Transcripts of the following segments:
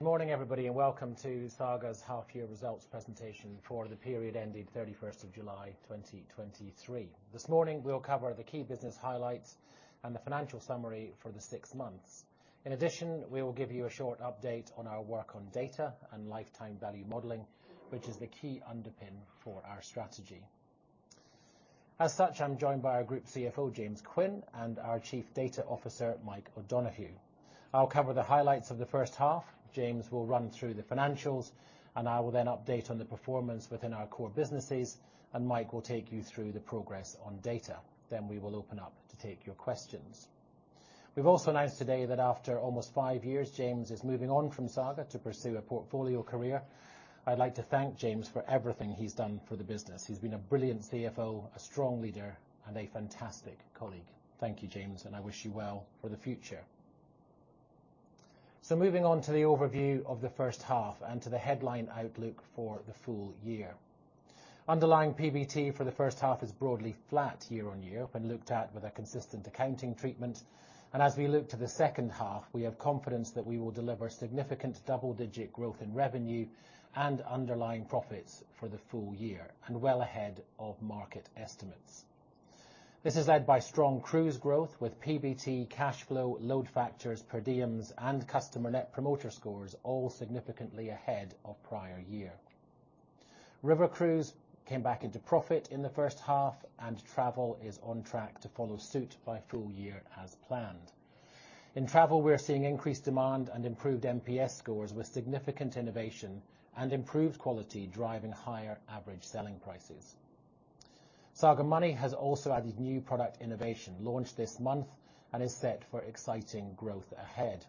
Good morning, everybody, and welcome to Saga's half year results presentation for the period ending July 31st, 2023. This morning, we'll cover the key business highlights and the financial summary for the six months. In addition, we will give you a short update on our work on data and lifetime value modeling, which is the key underpin for our strategy. As such, I'm joined by our Group CFO, James Quin, and our Chief Data Officer, Mike O'Donohue. I'll cover the highlights of the first half, James will run through the financials, and I will then update on the performance within our core businesses, and Mike will take you through the progress on data. Then we will open up to take your questions. We've also announced today that after almost five years, James is moving on from Saga to pursue a portfolio career. I'd like to thank James for everything he's done for the business. He's been a brilliant CFO, a strong leader, and a fantastic colleague. Thank you, James, and I wish you well for the future. Moving on to the overview of the first half and to the headline outlook for the full year. Underlying PBT for the first half is broadly flat year-on-year when looked at with a consistent accounting treatment. As we look to the second half, we have confidence that we will deliver significant double-digit growth in revenue and underlying profits for the full year, and well ahead of market estimates. This is led by strong cruise growth, with PBT cash flow, load factors, per diems, and customer net promoter scores all significantly ahead of prior year. River Cruise came back into profit in the first half, and Travel is on track to follow suit by full year as planned. In Travel, we're seeing increased demand and improved NPS scores, with significant innovation and improved quality driving higher average selling prices. Saga Money has also added new product innovation, launched this month and is set for exciting growth ahead.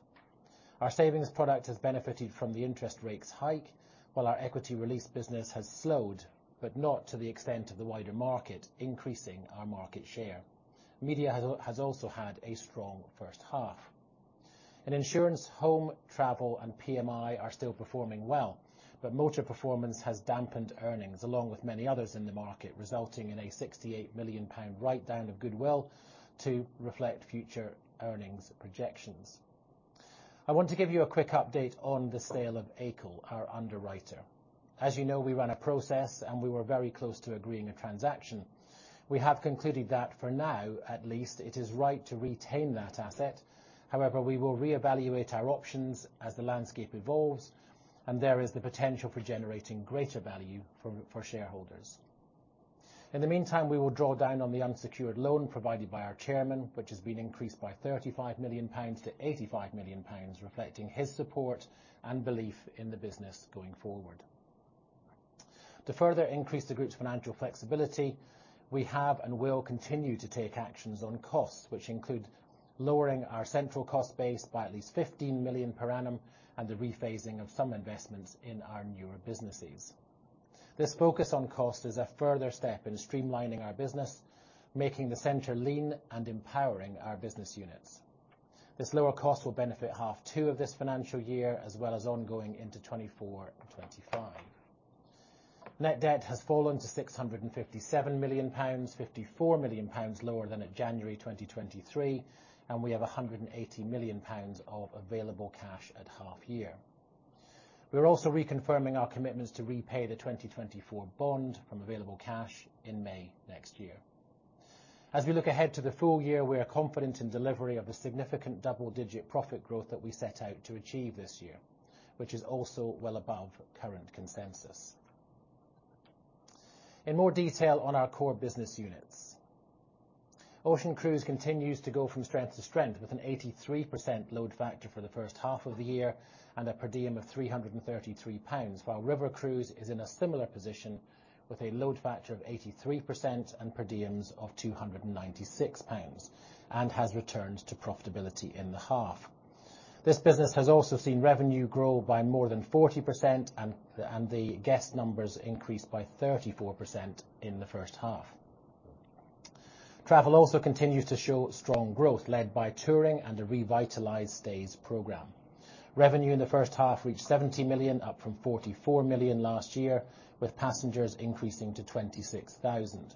Our savings product has benefited from the interest rates hike, while our equity release business has slowed, but not to the extent of the wider market, increasing our market share. Media has also had a strong first half. In Insurance, Home, Travel, and PMI are still performing well, but motor performance has dampened earnings, along with many others in the market, resulting in a 68 million pound write-down of goodwill to reflect future earnings projections. I want to give you a quick update on the sale of AICL, our underwriter. As you know, we ran a process, and we were very close to agreeing a transaction. We have concluded that, for now at least, it is right to retain that asset. However, we will reevaluate our options as the landscape evolves, and there is the potential for generating greater value for, for shareholders. In the meantime, we will draw down on the unsecured loan provided by our chairman, which has been increased by 35 million pounds to 85 million pounds, reflecting his support and belief in the business going forward. To further increase the group's financial flexibility, we have and will continue to take actions on costs, which include lowering our central cost base by at least 15 million per annum and the rephasing of some investments in our newer businesses. This focus on cost is a further step in streamlining our business, making the center lean and empowering our business units. This lower cost will benefit H2 of this financial year, as well as ongoing into 2024 and 2025. Net debt has fallen to 657 million pounds, 54 million pounds lower than at January 2023, and we have 180 million pounds of available cash at half year. We are also reconfirming our commitments to repay the 2024 bond from available cash in May next year. As we look ahead to the full year, we are confident in delivery of the significant double-digit profit growth that we set out to achieve this year, which is also well above current consensus. In more detail on our core business units. Ocean Cruise continues to go from strength to strength, with an 83% load factor for the first half of the year and a per diem of 333 pounds, while River Cruise is in a similar position with a load factor of 83% and per diems of 296 pounds, and has returned to profitability in the half. This business has also seen revenue grow by more than 40% and the guest numbers increased by 34% in the first half. Travel also continues to show strong growth, led by touring and a revitalized stays program. Revenue in the first half reached 70 million, up from 44 million last year, with passengers increasing to 26,000.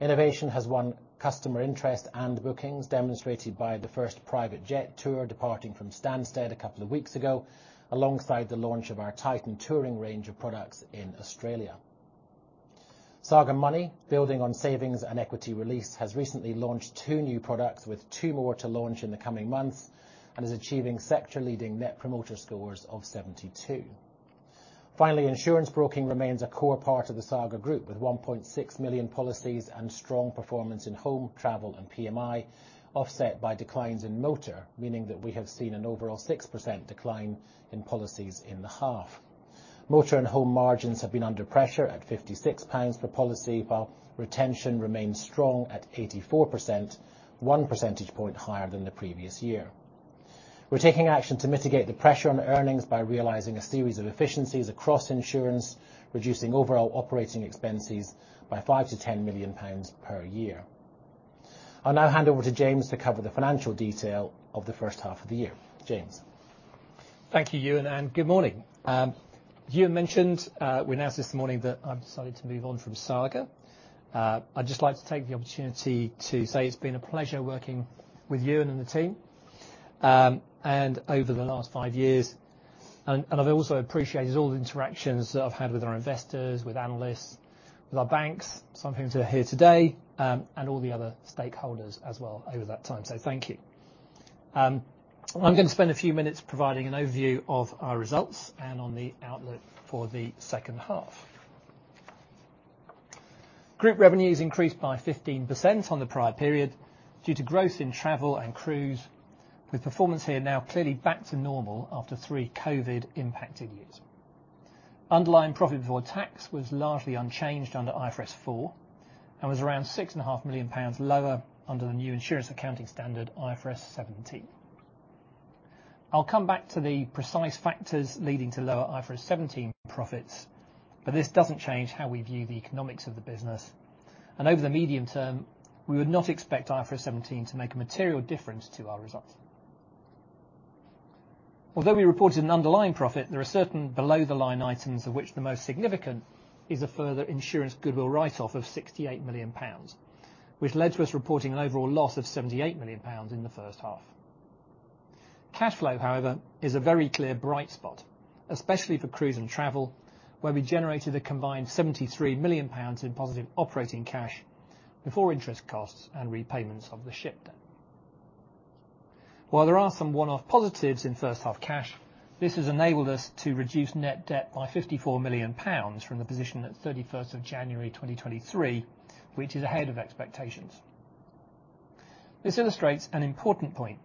Innovation has won customer interest and bookings, demonstrated by the first private jet tour departing from Stansted a couple of weeks ago, alongside the launch of our Titan touring range of products in Australia. Saga Money, building on savings and equity release, has recently launched two new products, with two more to launch in the coming months, and is achieving sector-leading net promoter scores of 72. Finally, insurance broking remains a core part of the Saga Group, with 1.6 million policies and strong performance in Home, Travel, and PMI, offset by declines in motor, meaning that we have seen an overall 6% decline in policies in the half. Motor and home margins have been under pressure at 56 pounds per policy, while retention remains strong at 84%, one percentage point higher than the previous year. We're taking action to mitigate the pressure on earnings by realizing a series of efficiencies across insurance, reducing overall operating expenses by 5 million-10 million pounds per year. I'll now hand over to James to cover the financial detail of the first half of the year. James? Thank you, Euan, and good morning. As you mentioned, we announced this morning that I've decided to move on from Saga. I'd just like to take the opportunity to say it's been a pleasure working with you and the team, and over the last five years, and I've also appreciated all the interactions that I've had with our investors, with analysts, with our banks, some who are here today, and all the other stakeholders as well over that time. So thank you. I'm gonna spend a few minutes providing an overview of our results and on the outlook for the second half. Group revenues increased by 15% on the prior period due to growth in Travel and Cruise, with performance here now clearly back to normal after three COVID-impacted years. Underlying profit before tax was largely unchanged under IFRS 4 and was around 6.5 million pounds lower under the new insurance accounting standard, IFRS 17. I'll come back to the precise factors leading to lower IFRS 17 profits, but this doesn't change how we view the economics of the business, and over the medium term, we would not expect IFRS 17 to make a material difference to our results. Although we reported an underlying profit, there are certain below-the-line items, of which the most significant is a further insurance goodwill write-off of 68 million pounds, which led to us reporting an overall loss of 78 million pounds in the first half. Cash flow, however, is a very clear bright spot, especially for Cruise and Travel, where we generated a combined 73 million pounds in positive operating cash before interest costs and repayments of the ship debt. While there are some one-off positives in first-half cash, this has enabled us to reduce net debt by 54 million pounds from the position at 31st of January, 2023, which is ahead of expectations. This illustrates an important point,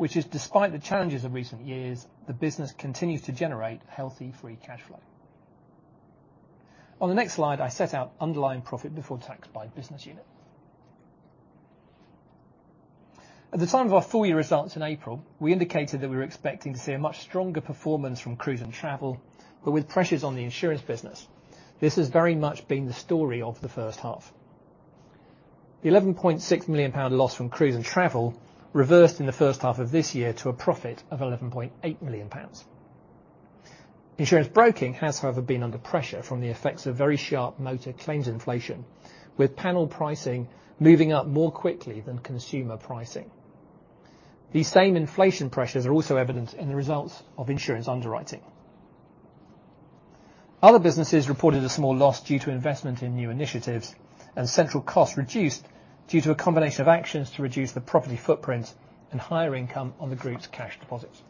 which is, despite the challenges of recent years, the business continues to generate healthy, free cash flow. On the next slide, I set out underlying profit before tax by business unit. At the time of our full-year results in April, we indicated that we were expecting to see a much stronger performance from Cruise and Travel, but with pressures on the insurance business. This has very much been the story of the first half. The 11.6 million pound loss from Cruise and Travel reversed in the first half of this year to a profit of 11.8 million pounds. Insurance broking has, however, been under pressure from the effects of very sharp motor claims inflation, with panel pricing moving up more quickly than consumer pricing. These same inflation pressures are also evident in the results of insurance underwriting. Other businesses reported a small loss due to investment in new initiatives, and central costs reduced due to a combination of actions to reduce the property footprint and higher income on the Group's cash deposits.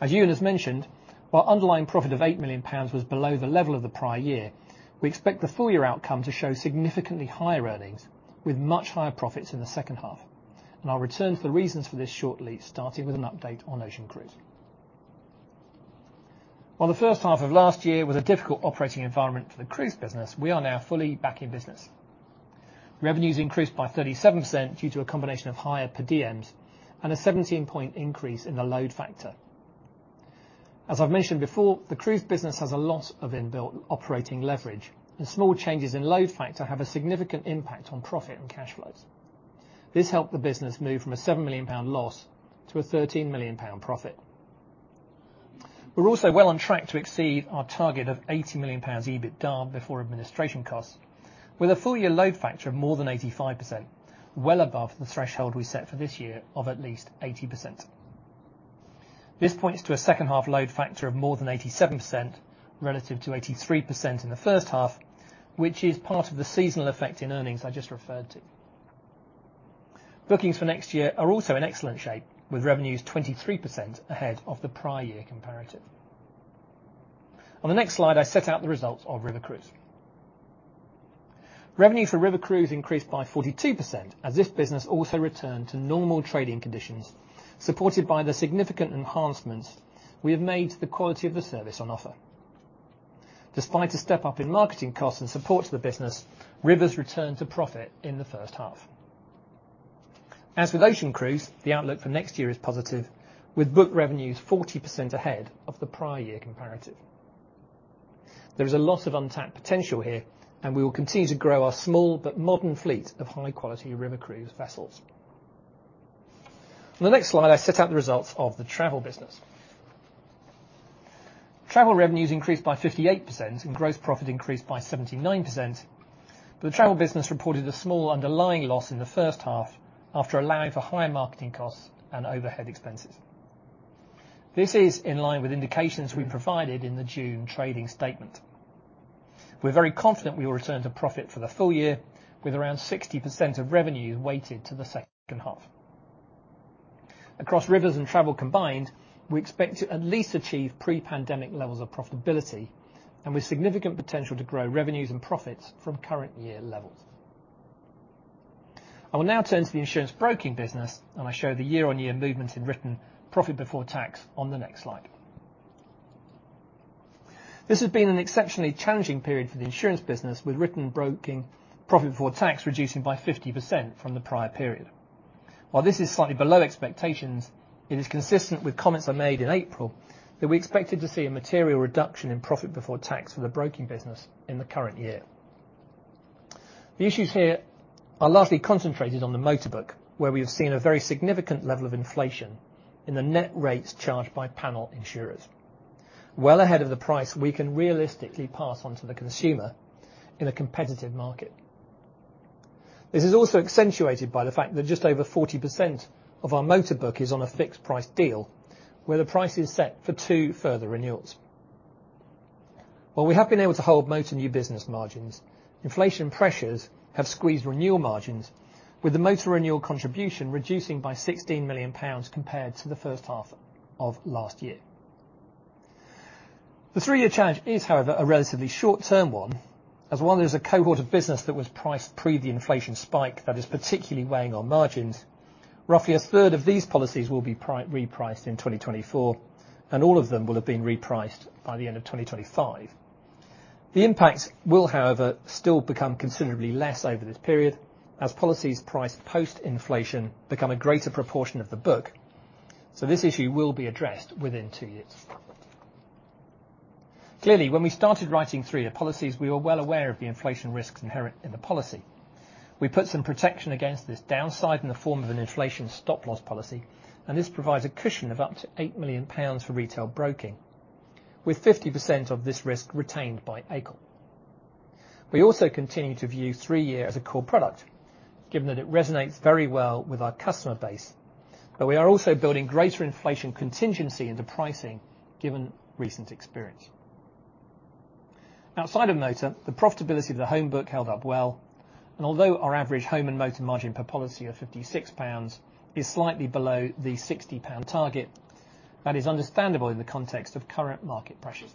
As Euan has mentioned, while underlying profit of 8 million pounds was below the level of the prior year, we expect the full-year outcome to show significantly higher earnings, with much higher profits in the second half. I'll return to the reasons for this shortly, starting with an update on Ocean Cruise. While the first half of last year was a difficult operating environment for the cruise business, we are now fully back in business. Revenues increased by 37% due to a combination of higher per diems and a 17-point increase in the load factor. As I've mentioned before, the cruise business has a lot of inbuilt operating leverage, and small changes in load factor have a significant impact on profit and cash flows. This helped the business move from a 7 million pound loss to a 13 million pound profit. We're also well on track to exceed our target of 80 million pounds EBITDA before administration costs, with a full-year load factor of more than 85%, well above the threshold we set for this year of at least 80%. This points to a second-half load factor of more than 87%, relative to 83% in the first half, which is part of the seasonal effect in earnings I just referred to. Bookings for next year are also in excellent shape, with revenues 23% ahead of the prior year comparative. On the next slide, I set out the results of River Cruise. Revenue for River Cruise increased by 42%, as this business also returned to normal trading conditions, supported by the significant enhancements we have made to the quality of the service on offer. Despite a step up in marketing costs and support to the business, rivers returned to profit in the first half. As with Ocean Cruise, the outlook for next year is positive, with booked revenues 40% ahead of the prior year comparative. There is a lot of untapped potential here, and we will continue to grow our small but modern fleet of high-quality river cruise vessels. On the next slide, I set out the results of the travel business. Travel revenues increased by 58% and gross profit increased by 79%, but the travel business reported a small underlying loss in the first half after allowing for higher marketing costs and overhead expenses. This is in line with indications we provided in the June trading statement. We're very confident we will return to profit for the full year, with around 60% of revenue weighted to the second half. Across Rivers and Travel combined, we expect to at least achieve pre-pandemic levels of profitability and with significant potential to grow revenues and profits from current year levels. I will now turn to the insurance broking business, and I show the year-on-year movement in written profit before tax on the next slide. This has been an exceptionally challenging period for the insurance business, with written broking profit before tax reducing by 50% from the prior period. While this is slightly below expectations, it is consistent with comments I made in April that we expected to see a material reduction in profit before tax for the broking business in the current year. The issues here are largely concentrated on the motor book, where we have seen a very significant level of inflation in the net rates charged by panel insurers. Well ahead of the price we can realistically pass on to the consumer in a competitive market. This is also accentuated by the fact that just over 40% of our motor book is on a fixed price deal, where the price is set for two further renewals. While we have been able to hold motor new business margins, inflation pressures have squeezed renewal margins, with the motor renewal contribution reducing by 16 million pounds compared to the first half of last year. The three-year challenge is, however, a relatively short-term one, as well as a cohort of business that was priced pre the inflation spike that is particularly weighing on margins. Roughly a third of these policies will be repriced in 2024, and all of them will have been repriced by the end of 2025. The impact will, however, still become considerably less over this period, as policies priced post-inflation become a greater proportion of the book, so this issue will be addressed within two years. Clearly, when we started writing three-year policies, we were well aware of the inflation risks inherent in the policy. We put some protection against this downside in the form of an inflation stop-loss policy, and this provides a cushion of up to 8 million pounds for retail broking, with 50% of this risk retained by AICL. We also continue to view three-year as a core product, given that it resonates very well with our customer base, but we are also building greater inflation contingency into pricing, given recent experience. Outside of motor, the profitability of the home book held up well, and although our average home and motor margin per policy of 56 pounds is slightly below the 60 pound target, that is understandable in the context of current market pressures.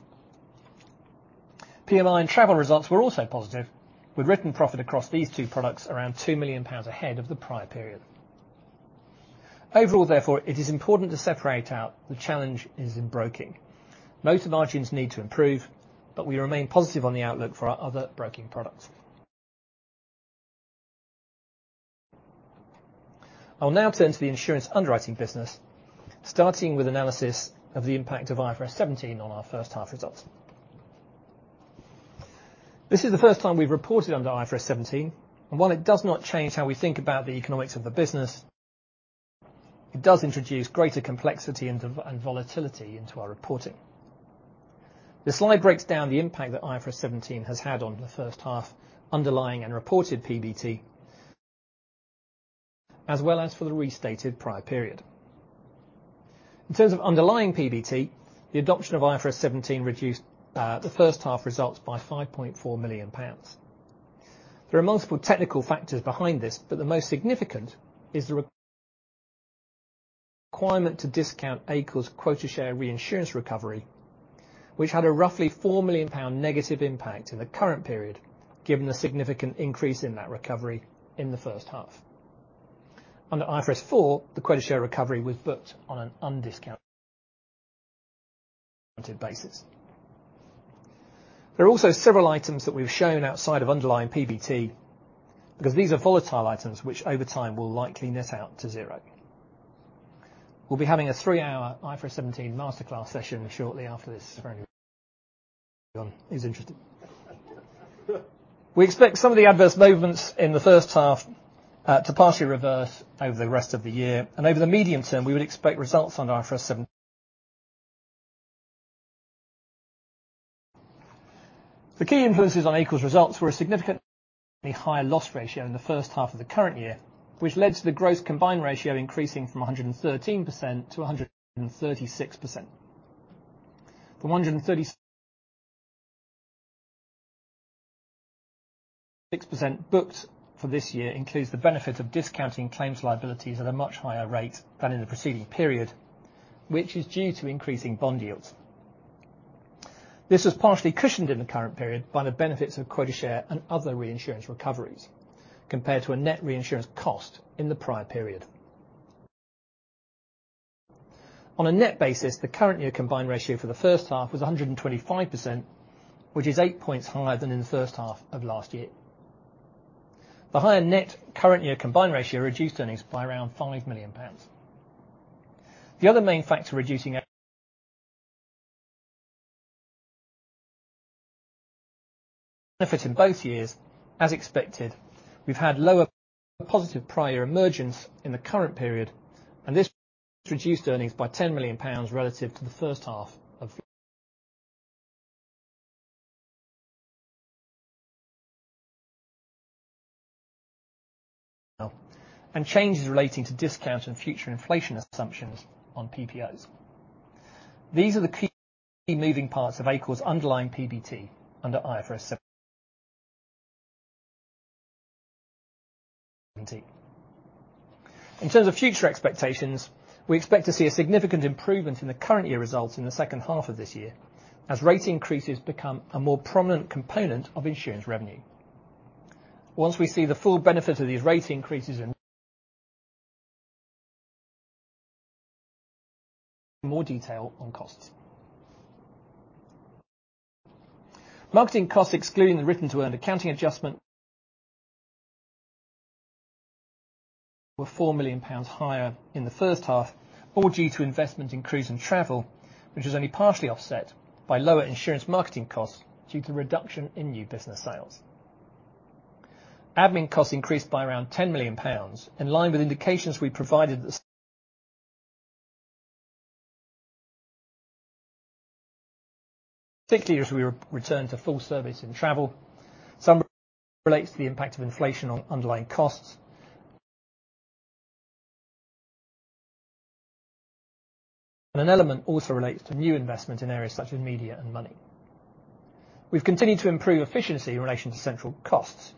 PMI and Travel results were also positive, with written profit across these two products around 2 million pounds ahead of the prior period. Overall, therefore, it is important to separate out the challenge is in broking. Most margins need to improve, but we remain positive on the outlook for our other broking products. I will now turn to the insurance underwriting business, starting with analysis of the impact of IFRS 17 on our first half results. This is the first time we've reported under IFRS 17, and while it does not change how we think about the economics of the business, it does introduce greater complexity and volatility into our reporting. The slide breaks down the impact that IFRS 17 has had on the first half underlying and reported PBT, as well as for the restated prior period. In terms of underlying PBT, the adoption of IFRS 17 reduced the first half results by 5.4 million pounds. There are multiple technical factors behind this, but the most significant is the requirement to discount AICL's quota share reinsurance recovery, which had a roughly 4 million pound negative impact in the current period, given the significant increase in that recovery in the first half. Under IFRS 4, the quota share recovery was booked on an undiscounted basis. There are also several items that we've shown outside of underlying PBT, because these are volatile items, which over time will likely net out to zero. We'll be having a three-hour IFRS 17 masterclass session shortly after this for anyone who's interested. We expect some of the adverse movements in the first half to partially reverse over the rest of the year, and over the medium term, we would expect results under IFRS 17. The key influences on AICL's results were a significantly higher loss ratio in the first half of the current year, which led to the gross combined ratio increasing from 113% to 136%. From 136% booked for this year includes the benefit of discounting claims liabilities at a much higher rate than in the preceding period, which is due to increasing bond yields. This was partially cushioned in the current period by the benefits of quota share and other reinsurance recoveries, compared to a net reinsurance cost in the prior period. On a net basis, the current year combined ratio for the first half was 125%, which is 8 points higher than in the first half of last year. The higher net current year combined ratio reduced earnings by around 5 million pounds. The other main factor reducing our, benefit in both years, as expected, we've had lower positive prior emergence in the current period, and this reduced earnings by 10 million pounds relative to the first half of, and changes relating to discount and future inflation assumptions on PPOs. These are the key moving parts of AICL's underlying PBT under IFRS 17. In terms of future expectations, we expect to see a significant improvement in the current year results in the second half of this year, as rate increases become a more prominent component of insurance revenue. Once we see the full benefit of these rate increases, more detail on costs. Marketing costs, excluding the written to earned accounting adjustment, were 4 million pounds higher in the first half, all due to investment increase in Travel, which is only partially offset by lower insurance marketing costs due to reduction in new business sales. Admin costs increased by around 10 million pounds, in line with indications we provided this, particularly as we return to full service in Travel. Some relates to the impact of inflation on underlying costs. An element also relates to new investment in areas such as media and money. We've continued to improve efficiency in relation to central costs,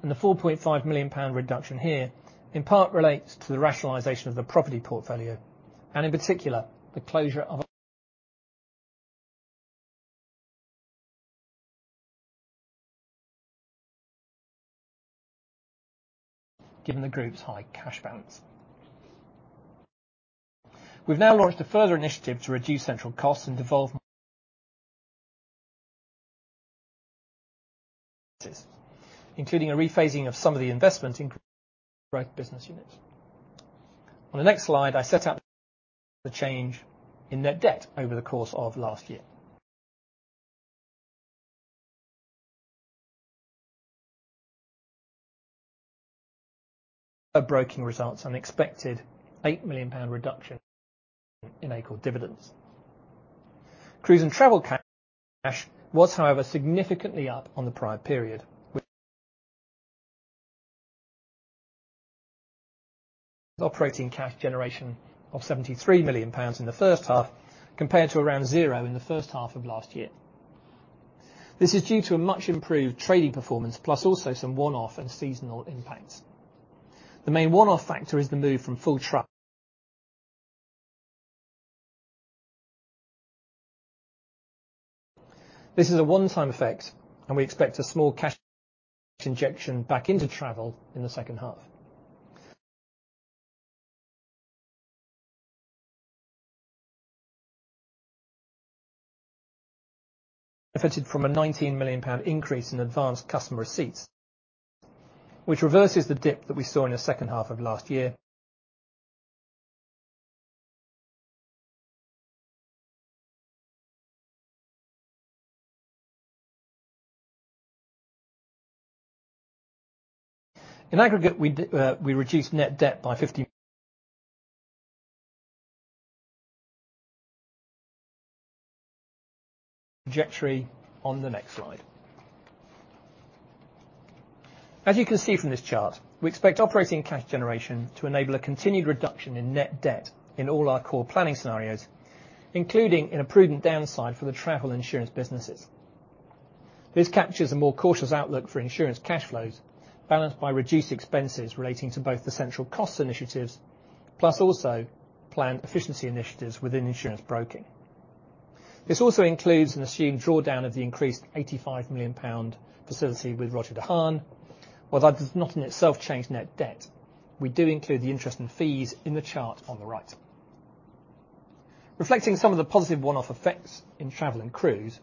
and the 4.5 million pound reduction here, in part, relates to the rationalization of the property portfolio, and in particular, the closure of, given the Group's high cash balance. We've now launched a further initiative to reduce central costs and devolve, including a rephasing of some of the investments in business units. On the next slide, I set out the change in net debt over the course of last year. A broking results unexpected 8 million pound reduction in AICL dividends. Cruise and Travel cash was, however, significantly up on the prior period, with operating cash generation of 73 million pounds in the first half, compared to around zero in the first half of last year. This is due to a much improved trading performance, plus also some one-off and seasonal impacts. The main one-off factor is the move from full trust. This is a one-time effect, and we expect a small cash injection back into Travel in the second half. Benefited from a 19 million pound increase in advanced customer receipts, which reverses the dip that we saw in the second half of last year. In aggregate, we reduced net debt by 50 trajectory on the next slide. As you can see from this chart, we expect operating cash generation to enable a continued reduction in net debt in all our core planning scenarios, including in a prudent downside for the travel insurance businesses. This captures a more cautious outlook for insurance cash flows, balanced by reduced expenses relating to both the central cost initiatives, plus also plan efficiency initiatives within insurance broking. This also includes an assumed drawdown of the increased 85 million pound facility with Roger De Haan. While that does not, in itself, change net debt, we do include the interest in fees in the chart on the right. Reflecting some of the positive one-off effects in Travel and Cruise,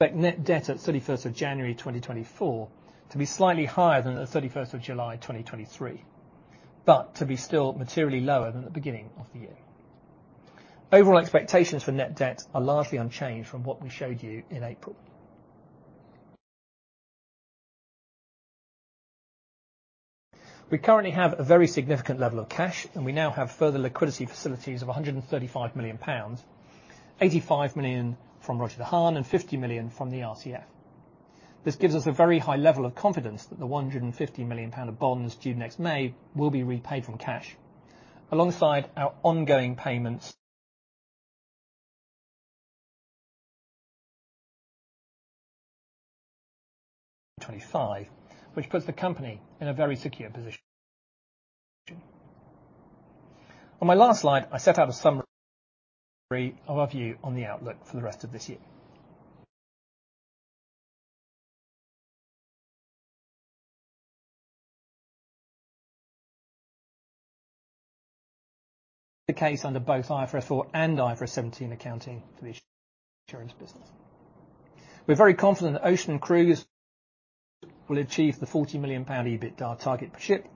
we expect net debt at 31st of January 2024 to be slightly higher than the 31st of July 2023, but to be still materially lower than the beginning of the year. Overall expectations for net debt are largely unchanged from what we showed you in April. We currently have a very significant level of cash, and we now have further liquidity facilities of 135 million pounds, pounds 85 million from Roger De Haan and 50 million from the AICL. This gives us a very high level of confidence that the 150 million pound of bonds due next May will be repaid from cash. Alongside our ongoing payments, 25, which puts the company in a very secure position. On my last slide, I set out a summary of our view on the outlook for the rest of this year. The case under both IFRS 4 and IFRS 17, accounting for the insurance business. We're very confident that Ocean and Cruise will achieve the 40 million pound EBITDA target per ship.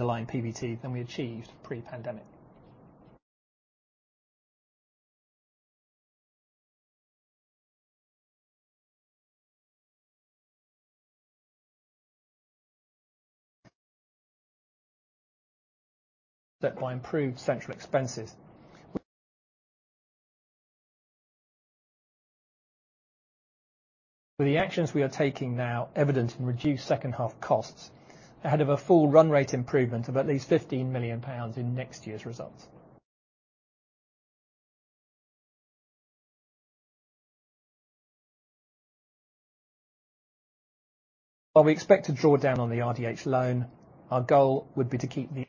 Underlying PBT than we achieved pre-pandemic. By improved central expenses. With the actions we are taking now, evident in reduced second half costs, ahead of a full run rate improvement of at least 15 million pounds in next year's results. While we expect to draw down on the RDH loan, our goal would be to keep the.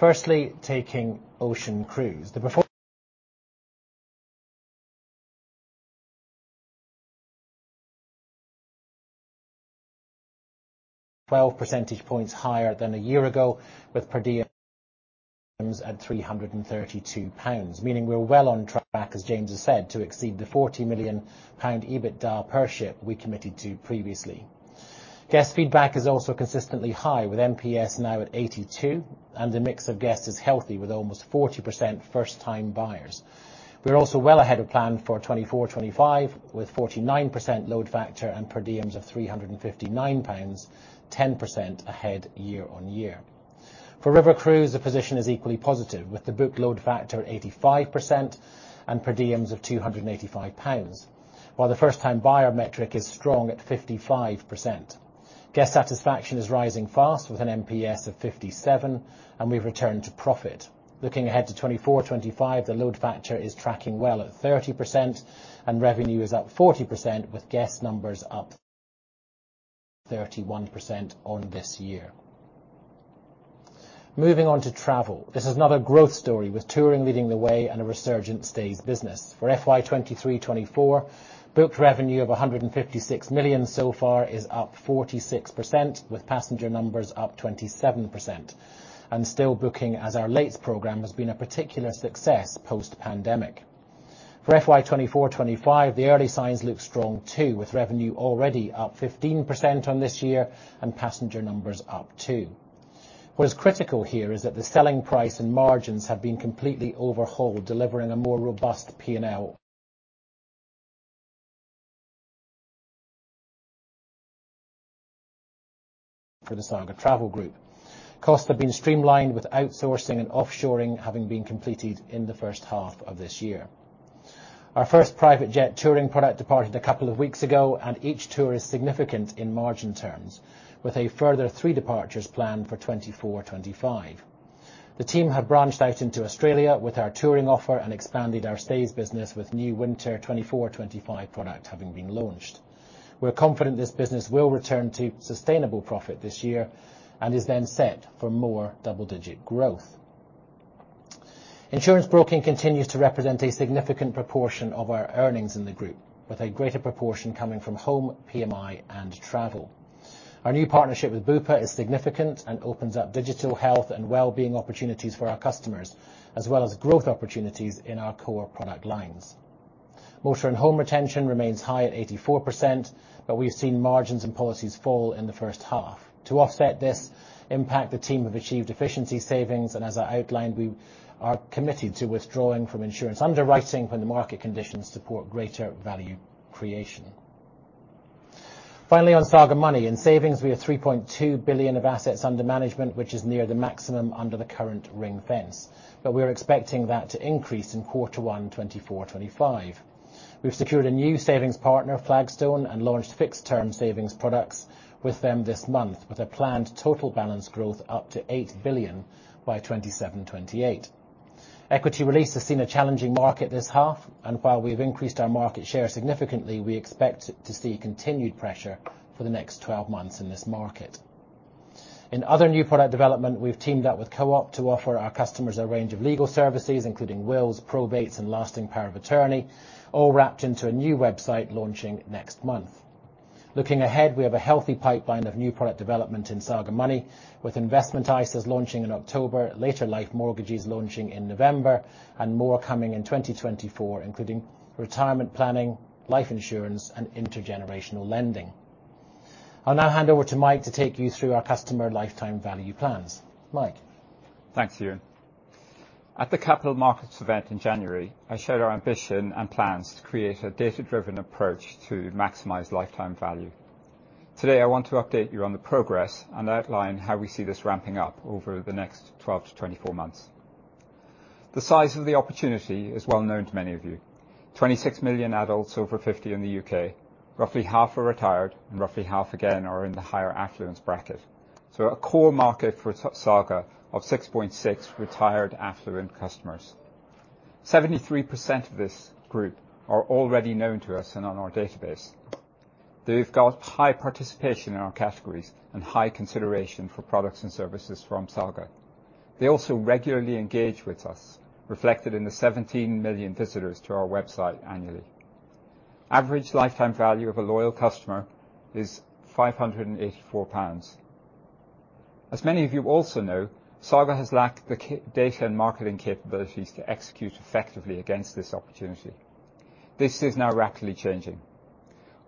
Firstly, taking Ocean Cruise. The performance, 12 percentage points higher than a year ago, with per diem at 332 pounds, meaning we're well on track, as James has said, to exceed the 40 million pound EBITDA per ship we committed to previously. Guest feedback is also consistently high, with NPS now at 82, and the mix of guests is healthy, with almost 40% first-time buyers. We are also well ahead of plan for 2024, 2025, with 49% load factor and per diems of 359 pounds, 10% ahead year-on-year. For River Cruise, the position is equally positive, with the booked load factor at 85% and per diems of 285 pounds, while the first-time buyer metric is strong at 55%. Guest satisfaction is rising fast, with an NPS of 57, and we've returned to profit. Looking ahead to 2024, 2025, the load factor is tracking well at 30% and revenue is up 40%, with guest numbers up 31% on this year. Moving on to Travel, this is not a growth story, with touring leading the way and a resurgent stays business. For FY 2023, 2024, booked revenue of 156 million so far is up 46%, with passenger numbers up 27% and still booking as our lates program has been a particular success post-pandemic. For FY 2024, 2025, the early signs look strong, too, with revenue already up 15% on this year and passenger numbers up, too. What is critical here is that the selling price and margins have been completely overhauled, delivering a more robust P&L for the Saga Travel Group. Costs have been streamlined, with outsourcing and offshoring having been completed in the first half of this year. Our first private jet touring product departed a couple of weeks ago, and each tour is significant in margin terms, with a further three departures planned for 2024, 2025. The team have branched out into Australia with our touring offer and expanded our stays business with new winter 2024, 2025 product having been launched. We're confident this business will return to sustainable profit this year and is then set for more double-digit growth. Insurance broking continues to represent a significant proportion of our earnings in the Group, with a greater proportion coming from home, PMI, and Travel. Our new partnership with Bupa is significant and opens up digital health and wellbeing opportunities for our customers, as well as growth opportunities in our core product lines. Motor and home retention remains high at 84%, but we've seen margins and policies fall in the first half. To offset this impact, the team have achieved efficiency savings, and as I outlined, we are committed to withdrawing from insurance underwriting when the market conditions support greater value creation. Finally, on Saga Money and savings, we have 3.2 billion of assets under management, which is near the maximum under the current ring fence, but we are expecting that to increase in quarter one, 2024-2025. We've secured a new savings partner, Flagstone, and launched fixed-term savings products with them this month, with a planned total balance growth up to 8 billion by 2027-2028. Equity release has seen a challenging market this half, and while we've increased our market share significantly, we expect to see continued pressure for the next 12 months in this market. In other new product development, we've teamed up with Co-op to offer our customers a range of legal services, including wills, probates, and lasting power of attorney, all wrapped into a new website launching next month. Looking ahead, we have a healthy pipeline of new product development in Saga Money, with investment ISAs launching in October, later life mortgages launching in November, and more coming in 2024, including retirement planning, life insurance, and intergenerational lending. I'll now hand over to Mike to take you through our customer lifetime value plans. Mike? Thanks, Euan. At the capital markets event in January, I shared our ambition and plans to create a data-driven approach to maximize lifetime value. Today, I want to update you on the progress and outline how we see this ramping up over the next 12-24 months. The size of the opportunity is well known to many of you. 26 million adults over 50 million in the U.K. Roughly half are retired and roughly half again are in the higher affluence bracket. So a core market for Saga of 6.6 retired affluent customers. 73% of this group are already known to us and on our database. They've got high participation in our categories and high consideration for products and services from Saga. They also regularly engage with us, reflected in the 17 million visitors to our website annually. Average lifetime value of a loyal customer is 584 pounds. As many of you also know, Saga has lacked the data and marketing capabilities to execute effectively against this opportunity. This is now rapidly changing.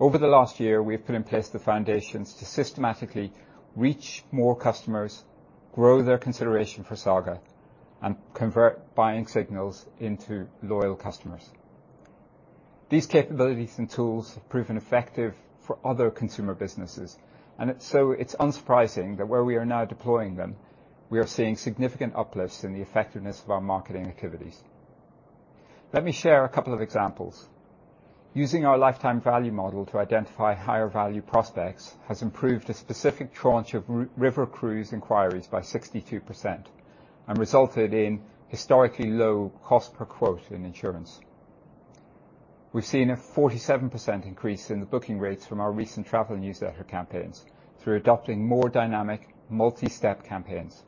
Over the last year, we have put in place the foundations to systematically reach more customers, grow their consideration for Saga, and convert buying signals into loyal customers. These capabilities and tools have proven effective for other consumer businesses, and so it's unsurprising that where we are now deploying them, we are seeing significant uplifts in the effectiveness of our marketing activities. Let me share a couple of examples. Using our lifetime value model to identify higher value prospects has improved a specific tranche of river cruise inquiries by 62% and resulted in historically low cost per quote in insurance. We've seen a 47% increase in the booking rates from our recent travel newsletter campaigns through adopting more dynamic, multi-step campaigns.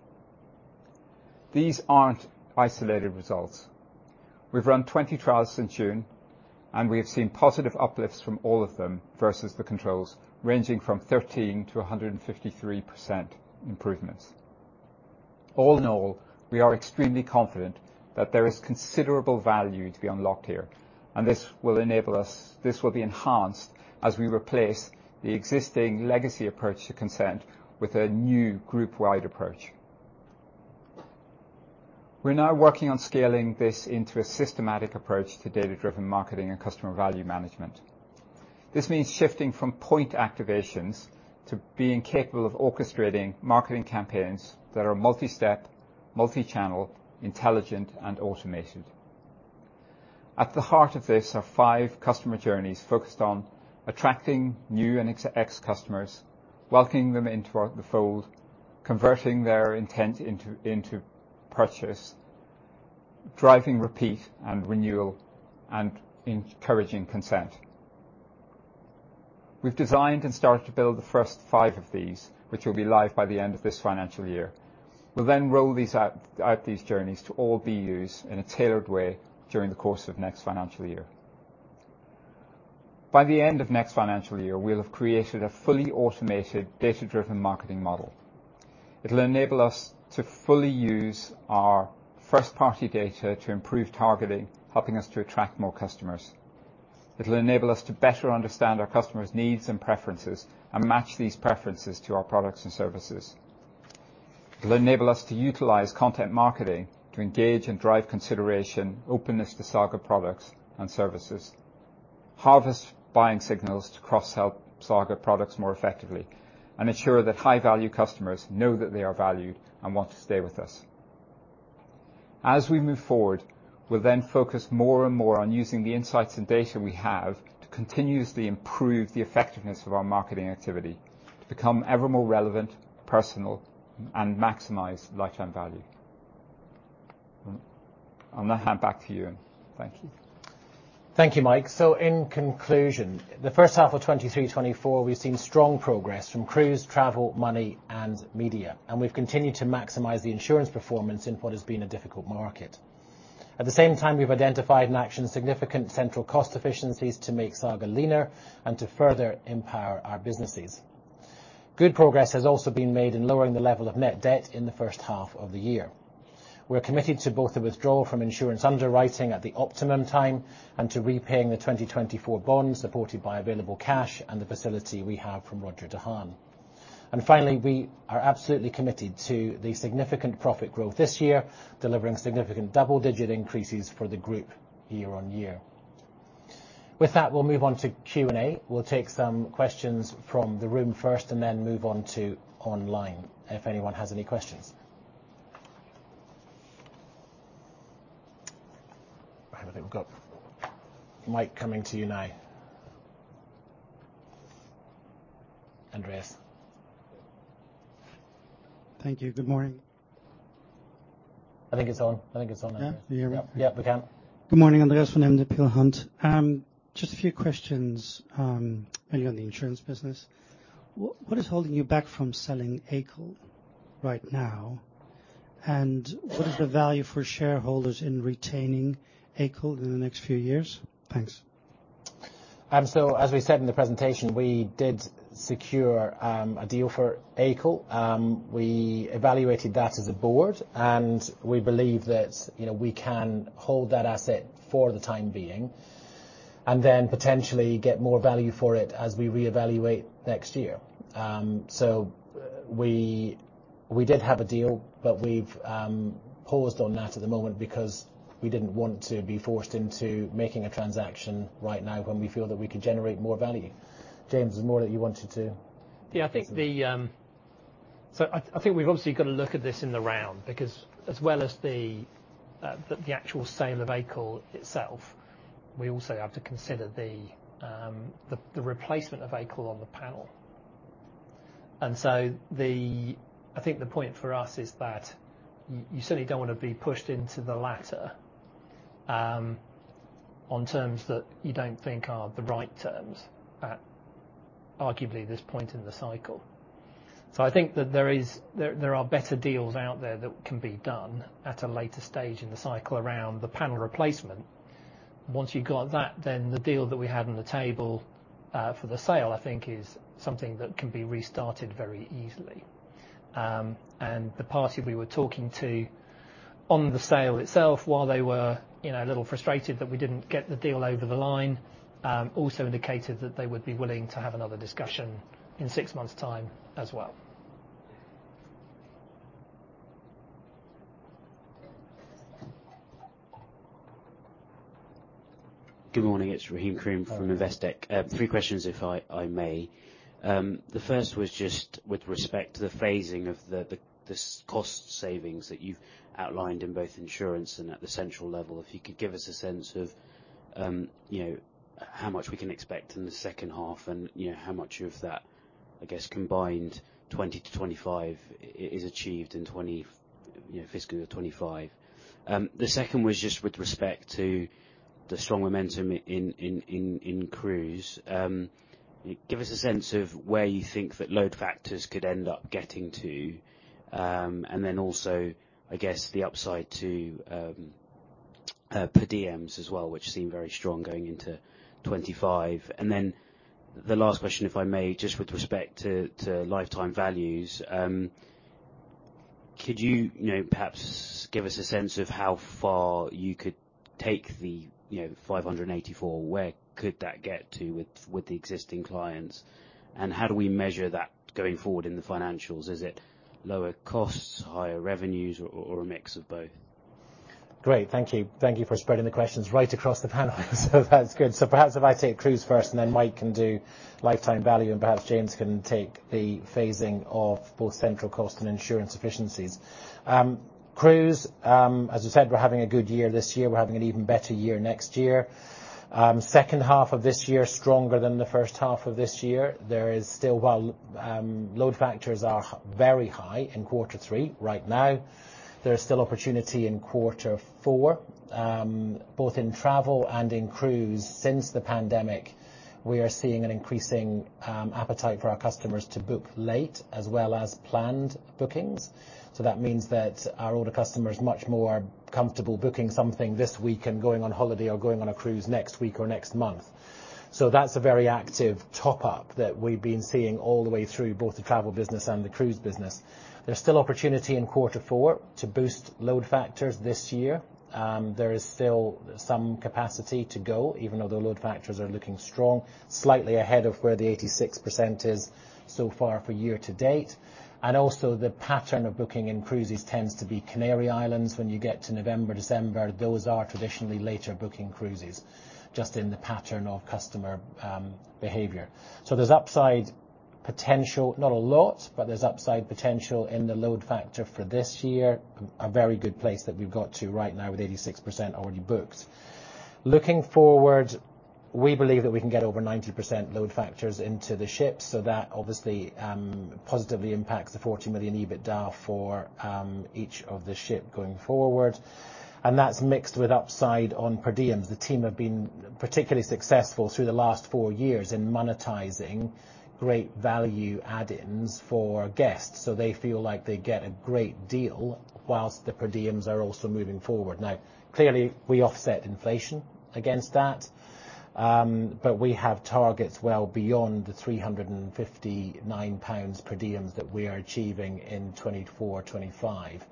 These aren't isolated results. We've run 20 trials since June, and we have seen positive uplifts from all of them versus the controls, ranging from 13%-153% improvements. All in all, we are extremely confident that there is considerable value to be unlocked here, and this will enable us, this will be enhanced as we replace the existing legacy approach to consent with a new group-wide approach. We're now working on scaling this into a systematic approach to data-driven marketing and customer value management. This means shifting from point activations to being capable of orchestrating marketing campaigns that are multi-step, multi-channel, intelligent and automated. At the heart of this are five customer journeys focused on attracting new and ex customers, welcoming them into the fold, converting their intent into purchase, driving repeat and renewal, and encouraging consent. We've designed and started to build the first five of these, which will be live by the end of this financial year. We'll then roll these out these journeys to all BUs in a tailored way during the course of next financial year. By the end of next financial year, we'll have created a fully automated, data-driven marketing model. It'll enable us to fully use our first-party data to improve targeting, helping us to attract more customers. It'll enable us to better understand our customers' needs and preferences and match these preferences to our products and services. It'll enable us to utilize content marketing to engage and drive consideration, openness to Saga products and services, harvest buying signals to cross-sell Saga products more effectively, and ensure that high-value customers know that they are valued and want to stay with us. As we move forward, we'll then focus more and more on using the insights and data we have to continuously improve the effectiveness of our marketing activity to become ever more relevant, personal, and maximize lifetime value. I'll now hand back to you, Euan. Thank you. Thank you, Mike. So in conclusion, the first half of 2023-2024, we've seen strong progress from Cruise, Travel, Money, and Media, and we've continued to maximize the insurance performance in what has been a difficult market. At the same time, we've identified and actioned significant central cost efficiencies to make Saga leaner and to further empower our businesses. Good progress has also been made in lowering the level of net debt in the first half of the year. We're committed to both the withdrawal from insurance underwriting at the optimum time and to repaying the 2024 bonds, supported by available cash and the facility we have from Roger De Haan. And finally, we are absolutely committed to the significant profit growth this year, delivering significant double-digit increases for the Group year-over-year. With that, we'll move on to Q&A. We'll take some questions from the room first and then move on to online, if anyone has any questions. I think we've got. Mike, coming to you now. Andreas. Thank you. Good morning. I think it's on. I think it's on, Andreas. Yeah, can you hear me? Yep, we can. Good morning, Andreas from Peel Hunt. Just a few questions, only on the insurance business. What is holding you back from selling AICL right now? And what is the value for shareholders in retaining AICL in the next few years? Thanks. So as we said in the presentation, we did secure a deal for AICL. We evaluated that as a board, and we believe that, you know, we can hold that asset for the time being and then potentially get more value for it as we reevaluate next year. So we did have a deal, but we've paused on that at the moment because we didn't want to be forced into making a transaction right now when we feel that we could generate more value. James, there's more that you wanted to. Yeah, I think the. So I think we've obviously got to look at this in the round, because as well as the actual sale of AICL itself, we also have to consider the replacement of AICL on the panel. And so, I think the point for us is that you certainly don't want to be pushed into the latter on terms that you don't think are the right terms at arguably this point in the cycle. So I think that there are better deals out there that can be done at a later stage in the cycle around the panel replacement. Once you've got that, then the deal that we had on the table for the sale, I think is something that can be restarted very easily. The party we were talking to on the sale itself, while they were, you know, a little frustrated that we didn't get the deal over the line, also indicated that they would be willing to have another discussion in six months' time as well. Good morning, it's Rahim Karim from Investec. Three questions, if I may. The first was just with respect to the phasing of the cost savings that you've outlined in both insurance and at the central level. If you could give us a sense of, you know, how much we can expect in the second half and, you know, how much of that, I guess, combined 2025 is achieved in twenty, you know, fiscal 2025. The second was just with respect to the strong momentum in Cruise. Give us a sense of where you think that load factors could end up getting to. And then also, I guess, the upside to per diems as well, which seem very strong going into 2025. The last question, if I may, just with respect to lifetime values, could you, you know, perhaps give us a sense of how far you could take the, you know, 584? Where could that get to with the existing clients, and how do we measure that going forward in the financials? Is it lower costs, higher revenues, or a mix of both? Great, thank you. Thank you for spreading the questions right across the panel. So that's good. So perhaps if I take Cruise first, and then Mike can do lifetime value, and perhaps James can take the phasing of both central cost and insurance efficiencies. Cruise, as I said, we're having a good year this year. We're having an even better year next year. Second half of this year, stronger than the first half of this year. There is still, while load factors are very high in quarter three right now, there is still opportunity in quarter four. Both in Travel and in Cruise, since the pandemic, we are seeing an increasing appetite for our customers to book late as well as planned bookings. So that means that our older customers are much more comfortable booking something this week and going on holiday or going on a cruise next week or next month. So that's a very active top up that we've been seeing all the way through both the travel business and the cruise business. There's still opportunity in quarter four to boost load factors this year. There is still some capacity to go, even though the load factors are looking strong, slightly ahead of where the 86% is so far for year to date. And also, the pattern of booking in cruises tends to be Canary Islands. When you get to November, December, those are traditionally later booking cruises, just in the pattern of customer behavior. So there's upside potential. Not a lot, but there's upside potential in the load factor for this year. A very good place that we've got to right now with 86% already booked. Looking forward, we believe that we can get over 90% load factors into the ship, so that obviously positively impacts the 40 million EBITDA for each of the ship going forward, and that's mixed with upside on per diems. The team have been particularly successful through the last four years in monetizing great value add-ins for guests, so they feel like they get a great deal, while the per diems are also moving forward. Now, clearly, we offset inflation against that, but we have targets well beyond the 359 pounds per diems that we are achieving in 2024, 2025.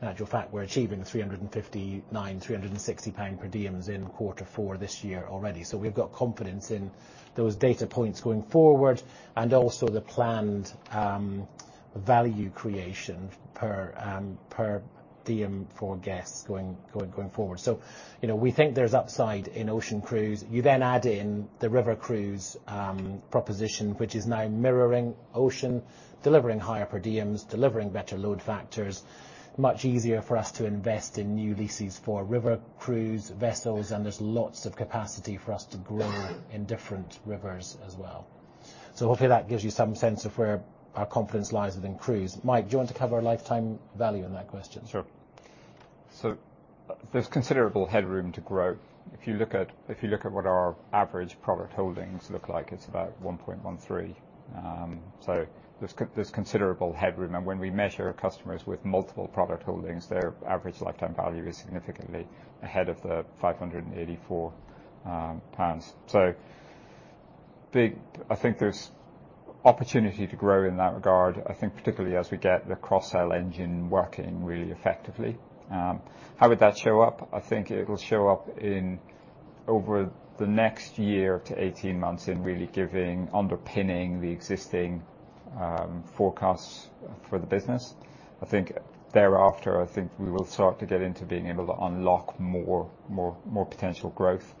Matter of fact, we're achieving the 359, 360 pound per diems in quarter four this year already. So we've got confidence in those data points going forward, and also the planned value creation per per diem for guests going, going, going forward. So, you know, we think there's upside in Ocean Cruise. You then add in the river cruise proposition, which is now mirroring ocean, delivering higher per diems, delivering better load factors. Much easier for us to invest in new leases for river cruise vessels, and there's lots of capacity for us to grow in different rivers as well. So hopefully that gives you some sense of where our confidence lies within Cruise. Mike, do you want to cover lifetime value in that question? Sure. So there's considerable headroom to grow. If you look at what our average product holdings look like, it's about 1.13. So there's considerable headroom, and when we measure customers with multiple product holdings, their average lifetime value is significantly ahead of the 584 pounds. So big, I think there's opportunity to grow in that regard. I think particularly as we get the cross-sell engine working really effectively. How would that show up? I think it'll show up in over the next year to 18 months in really giving, underpinning the existing, forecasts for the business. I think thereafter, I think we will start to get into being able to unlock more, more, more potential growth.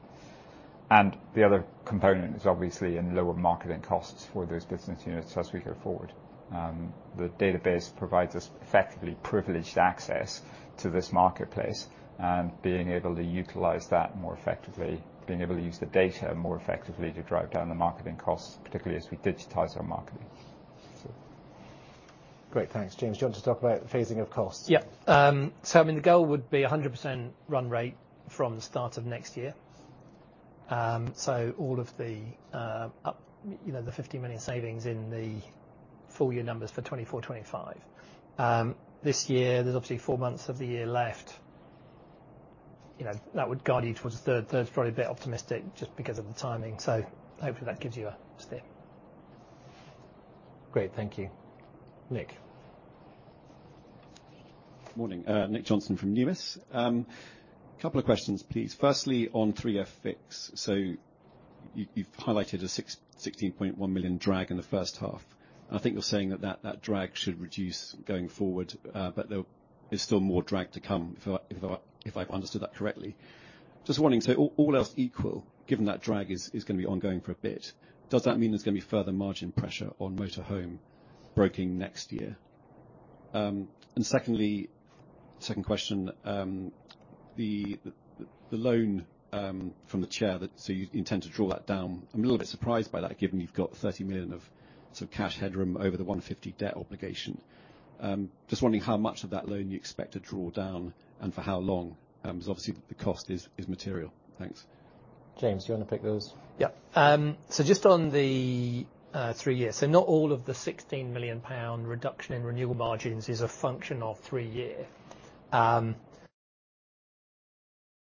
And the other component is obviously in lower marketing costs for those business units as we go forward. The database provides us, effectively, privileged access to this marketplace, and being able to utilize that more effectively, being able to use the data more effectively to drive down the marketing costs, particularly as we digitize our marketing. Great, thanks. James, do you want to talk about the phasing of costs? Yeah. So I mean, the goal would be 100% run rate from the start of next year. So all of the, you know, the 50 million savings in the full year numbers for 2024, 2025. This year, there's obviously four months of the year left. You know, that would guide you towards a third. Third's probably a bit optimistic just because of the timing. So hopefully that gives you a steer. Great, thank you. Nick? Morning, Nick Johnson from Numis. A couple of questions, please. Firstly, on 3-Year Fixed. So you, you've highlighted a 16.1 million drag in the first half, and I think you're saying that that, that drag should reduce going forward, but there is still more drag to come, if I, if I, if I've understood that correctly. Just wondering, so all, all else equal, given that drag is, is gonna be ongoing for a bit, does that mean there's gonna be further margin pressure on motor and home breaking next year? And secondly, second question, the loan from the chair that, so you intend to draw that down. I'm a little bit surprised by that, given you've got 30 million of sort of cash headroom over the 150 million debt obligation. Just wondering how much of that loan you expect to draw down and for how long? Because obviously, the cost is material. Thanks. James, you want to pick those? Yeah. So just on the three years. So not all of the 16 million pound reduction in renewal margins is a function of three-year.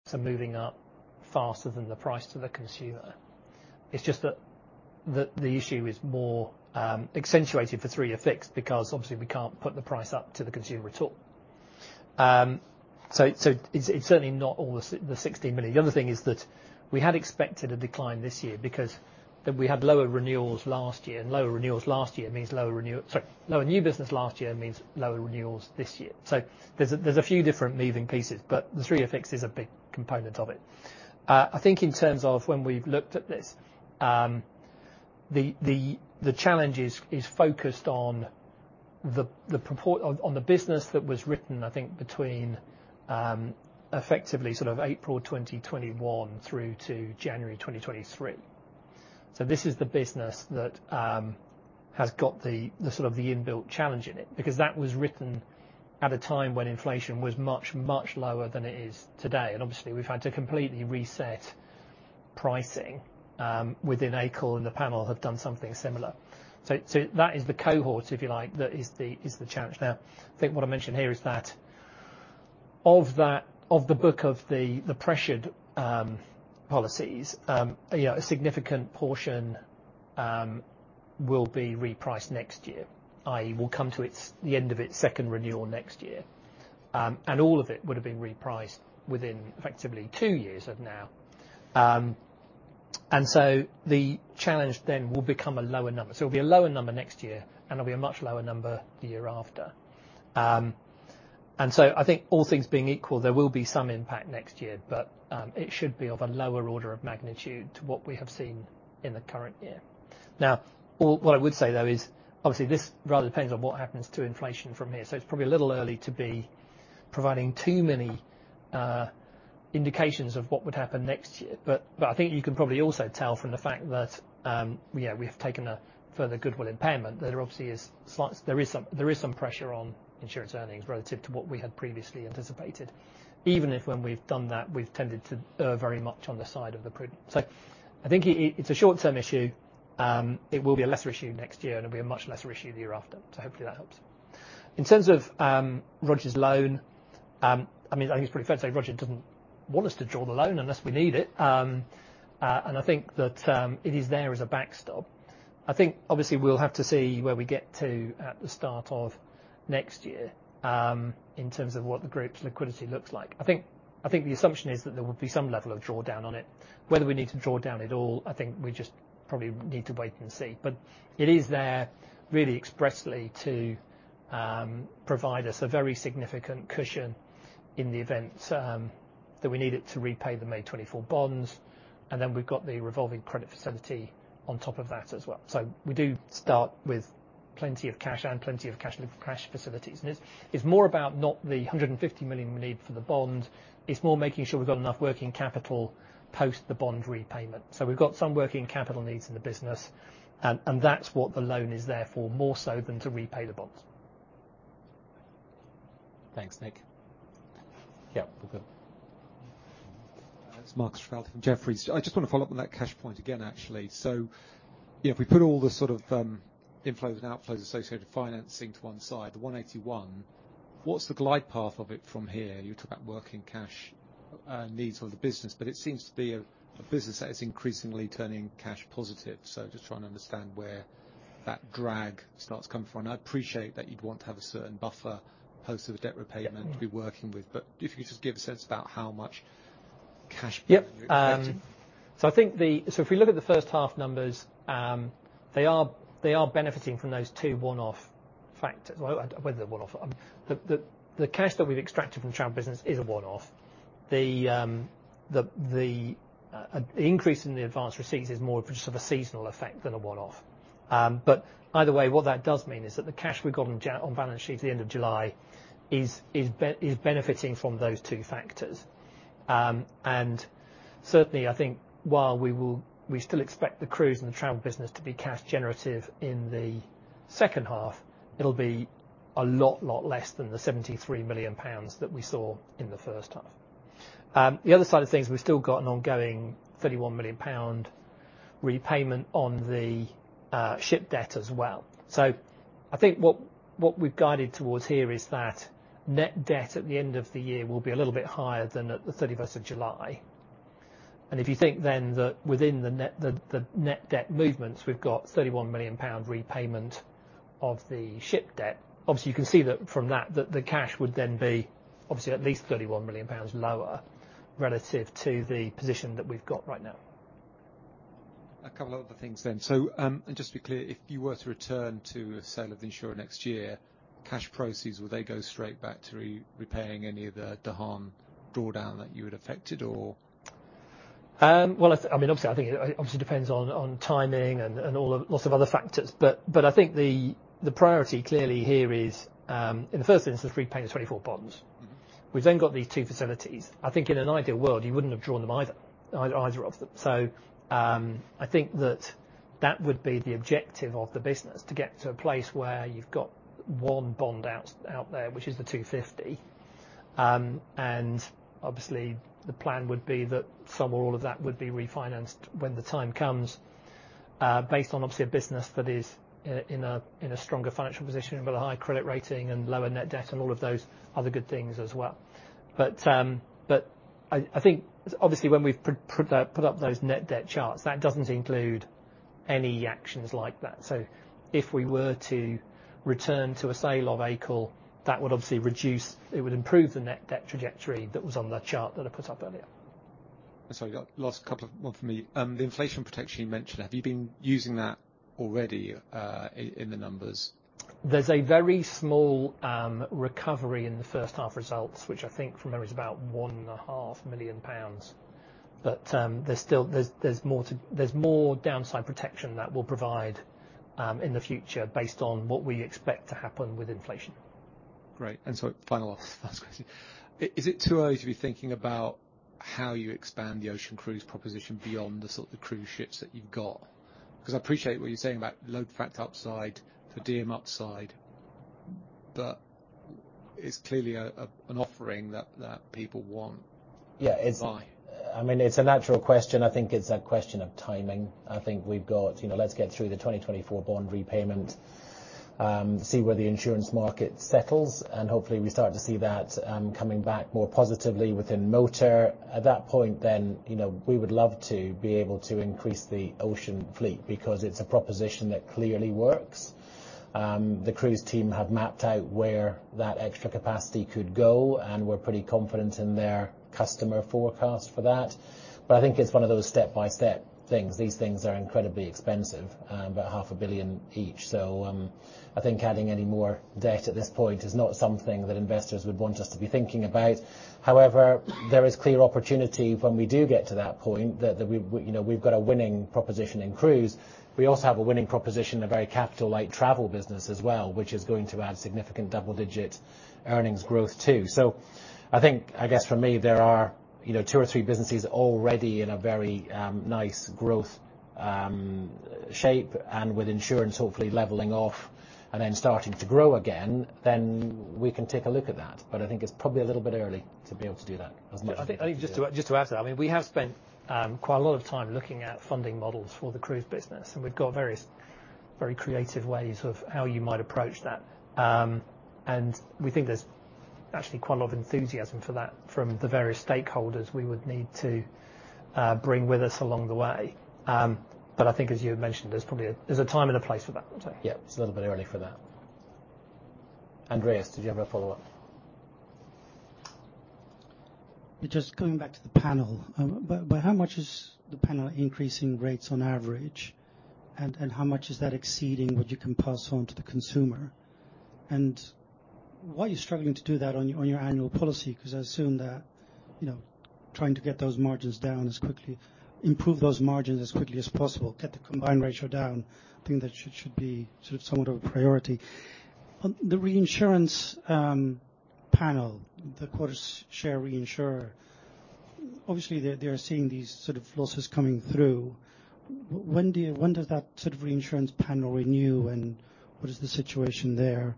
So moving up faster than the price to the consumer. It's just that the issue is more accentuated for three-year fixed, because obviously we can't put the price up to the consumer at all. So it's certainly not all the 16 million. The other thing is that we had expected a decline this year because we had lower renewals last year, and lower renewals last year means lower new business last year means lower renewals this year. Sorry, lower new business last year means lower renewals this year. So there's a few different moving pieces, but the three-year fixed is a big component of it. I think in terms of when we've looked at this, the challenge is focused on the business that was written, I think, between effectively sort of April 2021 through to January 2023. So this is the business that has got the sort of inbuilt challenge in it, because that was written at a time when inflation was much, much lower than it is today. And obviously, we've had to completely reset pricing within AICL, and the panel have done something similar. So that is the cohort, if you like, that is the challenge. Now, I think what I mentioned here is that of that, of the book of the pressured policies, you know, a significant portion will be repriced next year. I.e., it will come to the end of its second renewal next year. All of it would have been repriced within effectively two years of now. So the challenge then will become a lower number. It'll be a lower number next year, and it'll be a much lower number the year after. I think all things being equal, there will be some impact next year, but it should be of a lower order of magnitude to what we have seen in the current year. Now, what I would say, though, is obviously this rather depends on what happens to inflation from here. So it's probably a little early to be providing too many indications of what would happen next year. But I think you can probably also tell from the fact that, yeah, we have taken a further goodwill impairment, that obviously is slight, there is some, there is some pressure on insurance earnings relative to what we had previously anticipated, even if when we've done that, we've tended to err very much on the side of the prude. So I think it, it's a short-term issue. It will be a lesser issue next year, and it'll be a much lesser issue the year after. So hopefully that helps. In terms of, Roger's loan, I mean, I think it's pretty fair to say Roger doesn't want us to draw the loan unless we need it. And I think that, it is there as a backstop. I think obviously we'll have to see where we get to at the start of next year, in terms of what the Group's liquidity looks like. I think, I think the assumption is that there will be some level of drawdown on it. Whether we need to draw down at all, I think we just probably need to wait and see. But it is there really expressly to provide us a very significant cushion in the event that we need it to repay the May 2024 bonds, and then we've got the revolving credit facility on top of that as well. So we do start with plenty of cash and plenty of cash, cash facilities. And it's, it's more about not the 150 million we need for the bond. It's more making sure we've got enough working capital post the bond repayment. So we've got some working capital needs in the business, and that's what the loan is there for, more so than to repay the bonds. Thanks, Nick. Yeah, we're good. It's Marcus Sherif from Jefferies. I just want to follow up on that cash point again, actually. So if we put all the sort of, inflows and outflows associated financing to one side, the 181, what's the glide path of it from here? You talk about working cash needs of the business, but it seems to be a business that is increasingly turning cash positive. So just trying to understand where that drag starts coming from. I appreciate that you'd want to have a certain buffer post of the debt repayment to be working with, but if you just give a sense about how much cash. Yeah. So if we look at the first half numbers, they are benefiting from those two one-off factors, well, whether they're one-off. The cash that we've extracted from travel business is a one-off. The increase in the advanced receipts is more of a seasonal effect than a one-off. But either way, what that does mean is that the cash we've got on balance sheet at the end of July is benefiting from those two factors. And certainly, I think while we will, we still expect the cruise and the travel business to be cash generative in the second half, it'll be a lot, lot less than the 73 million pounds that we saw in the first half. The other side of things, we've still got an ongoing 31 million pound repayment on the ship debt as well. So I think what we've guided towards here is that net debt at the end of the year will be a little bit higher than at the 31st of July. And if you think then that within the net net debt movements, we've got 31 million pound repayment of the ship debt. Obviously, you can see that from that the cash would then be obviously at least 31 million pounds lower relative to the position that we've got right now. A couple other things then. So, just to be clear, if you were to return to a sale of the insurer next year, cash proceeds, will they go straight back to repaying any of the De Haan drawdown that you had effected or? Well, I mean, obviously, I think it obviously depends on timing and all the lots of other factors. But I think the priority clearly here is, in the first instance, repaying the 2024 bonds. We've then got these two facilities. I think in an ideal world, you wouldn't have drawn them either of them. So, I think that that would be the objective of the business, to get to a place where you've got one bond out there, which is the 250. And obviously, the plan would be that some or all of that would be refinanced when the time comes, based on, obviously, a business that is in a stronger financial position, with a high credit rating and lower net debt, and all of those other good things as well. But I think, obviously, when we've put up those net debt charts, that doesn't include any actions like that. So if we were to return to a sale of AICL, that would obviously reduce, It would improve the net debt trajectory that was on the chart that I put up earlier. Sorry, last couple of one for me. The inflation protection you mentioned, have you been using that already in the numbers? There's a very small recovery in the first half results, which I think from memory, is about 1.5 million pounds. But, there's still more downside protection that we'll provide in the future, based on what we expect to happen with inflation. Great. Final, last question. Is it too early to be thinking about how you expand the ocean cruise proposition beyond the sort of the cruise ships that you've got? Because I appreciate what you're saying about load factor upside, the DM upside, but it's clearly an offering that people want. Yeah. And buy. I mean, it's a natural question. I think it's a question of timing. I think we've got, you know, let's get through the 2024 bond repayment, see where the insurance market settles, and hopefully, we start to see that, coming back more positively within motor. At that point, then, you know, we would love to be able to increase the ocean fleet, because it's a proposition that clearly works. The cruise team have mapped out where that extra capacity could go, and we're pretty confident in their customer forecast for that. But I think it's one of those step-by-step things. These things are incredibly expensive, about 500 million each. So, I think adding any more debt at this point is not something that investors would want us to be thinking about. However, there is clear opportunity when we do get to that point, that, that we, you know, we've got a winning proposition in cruise. We also have a winning proposition in a very capital-light travel business as well, which is going to add significant double-digit earnings growth, too. So I think, I guess for me, there are two or three businesses already in a very, nice growth, shape, and with insurance hopefully leveling off and then starting to grow again, then we can take a look at that. But I think it's probably a little bit early to be able to do that as much. I think just to add to that, I mean, we have spent quite a lot of time looking at funding models for the cruise business, and we've got various very creative ways of how you might approach that. And we think there's actually quite a lot of enthusiasm for that from the various stakeholders we would need to bring with us along the way. But I think as you had mentioned, there's probably a time and a place for that one, too. Yeah, it's a little bit early for that. Andreas, did you have a follow-up? Just going back to the panel. But how much is the panel increasing rates on average, and how much is that exceeding what you can pass on to the consumer? And why are you struggling to do that on your annual policy? Because I assume that, you know, trying to get those margins down as quickly, improve those margins as quickly as possible, get the combined ratio down, I think that should be sort of somewhat of a priority. On the reinsurance panel, the quota share reinsurer, obviously, they're seeing these sort of losses coming through. When do you, when does that sort of reinsurance panel renew, and what is the situation there?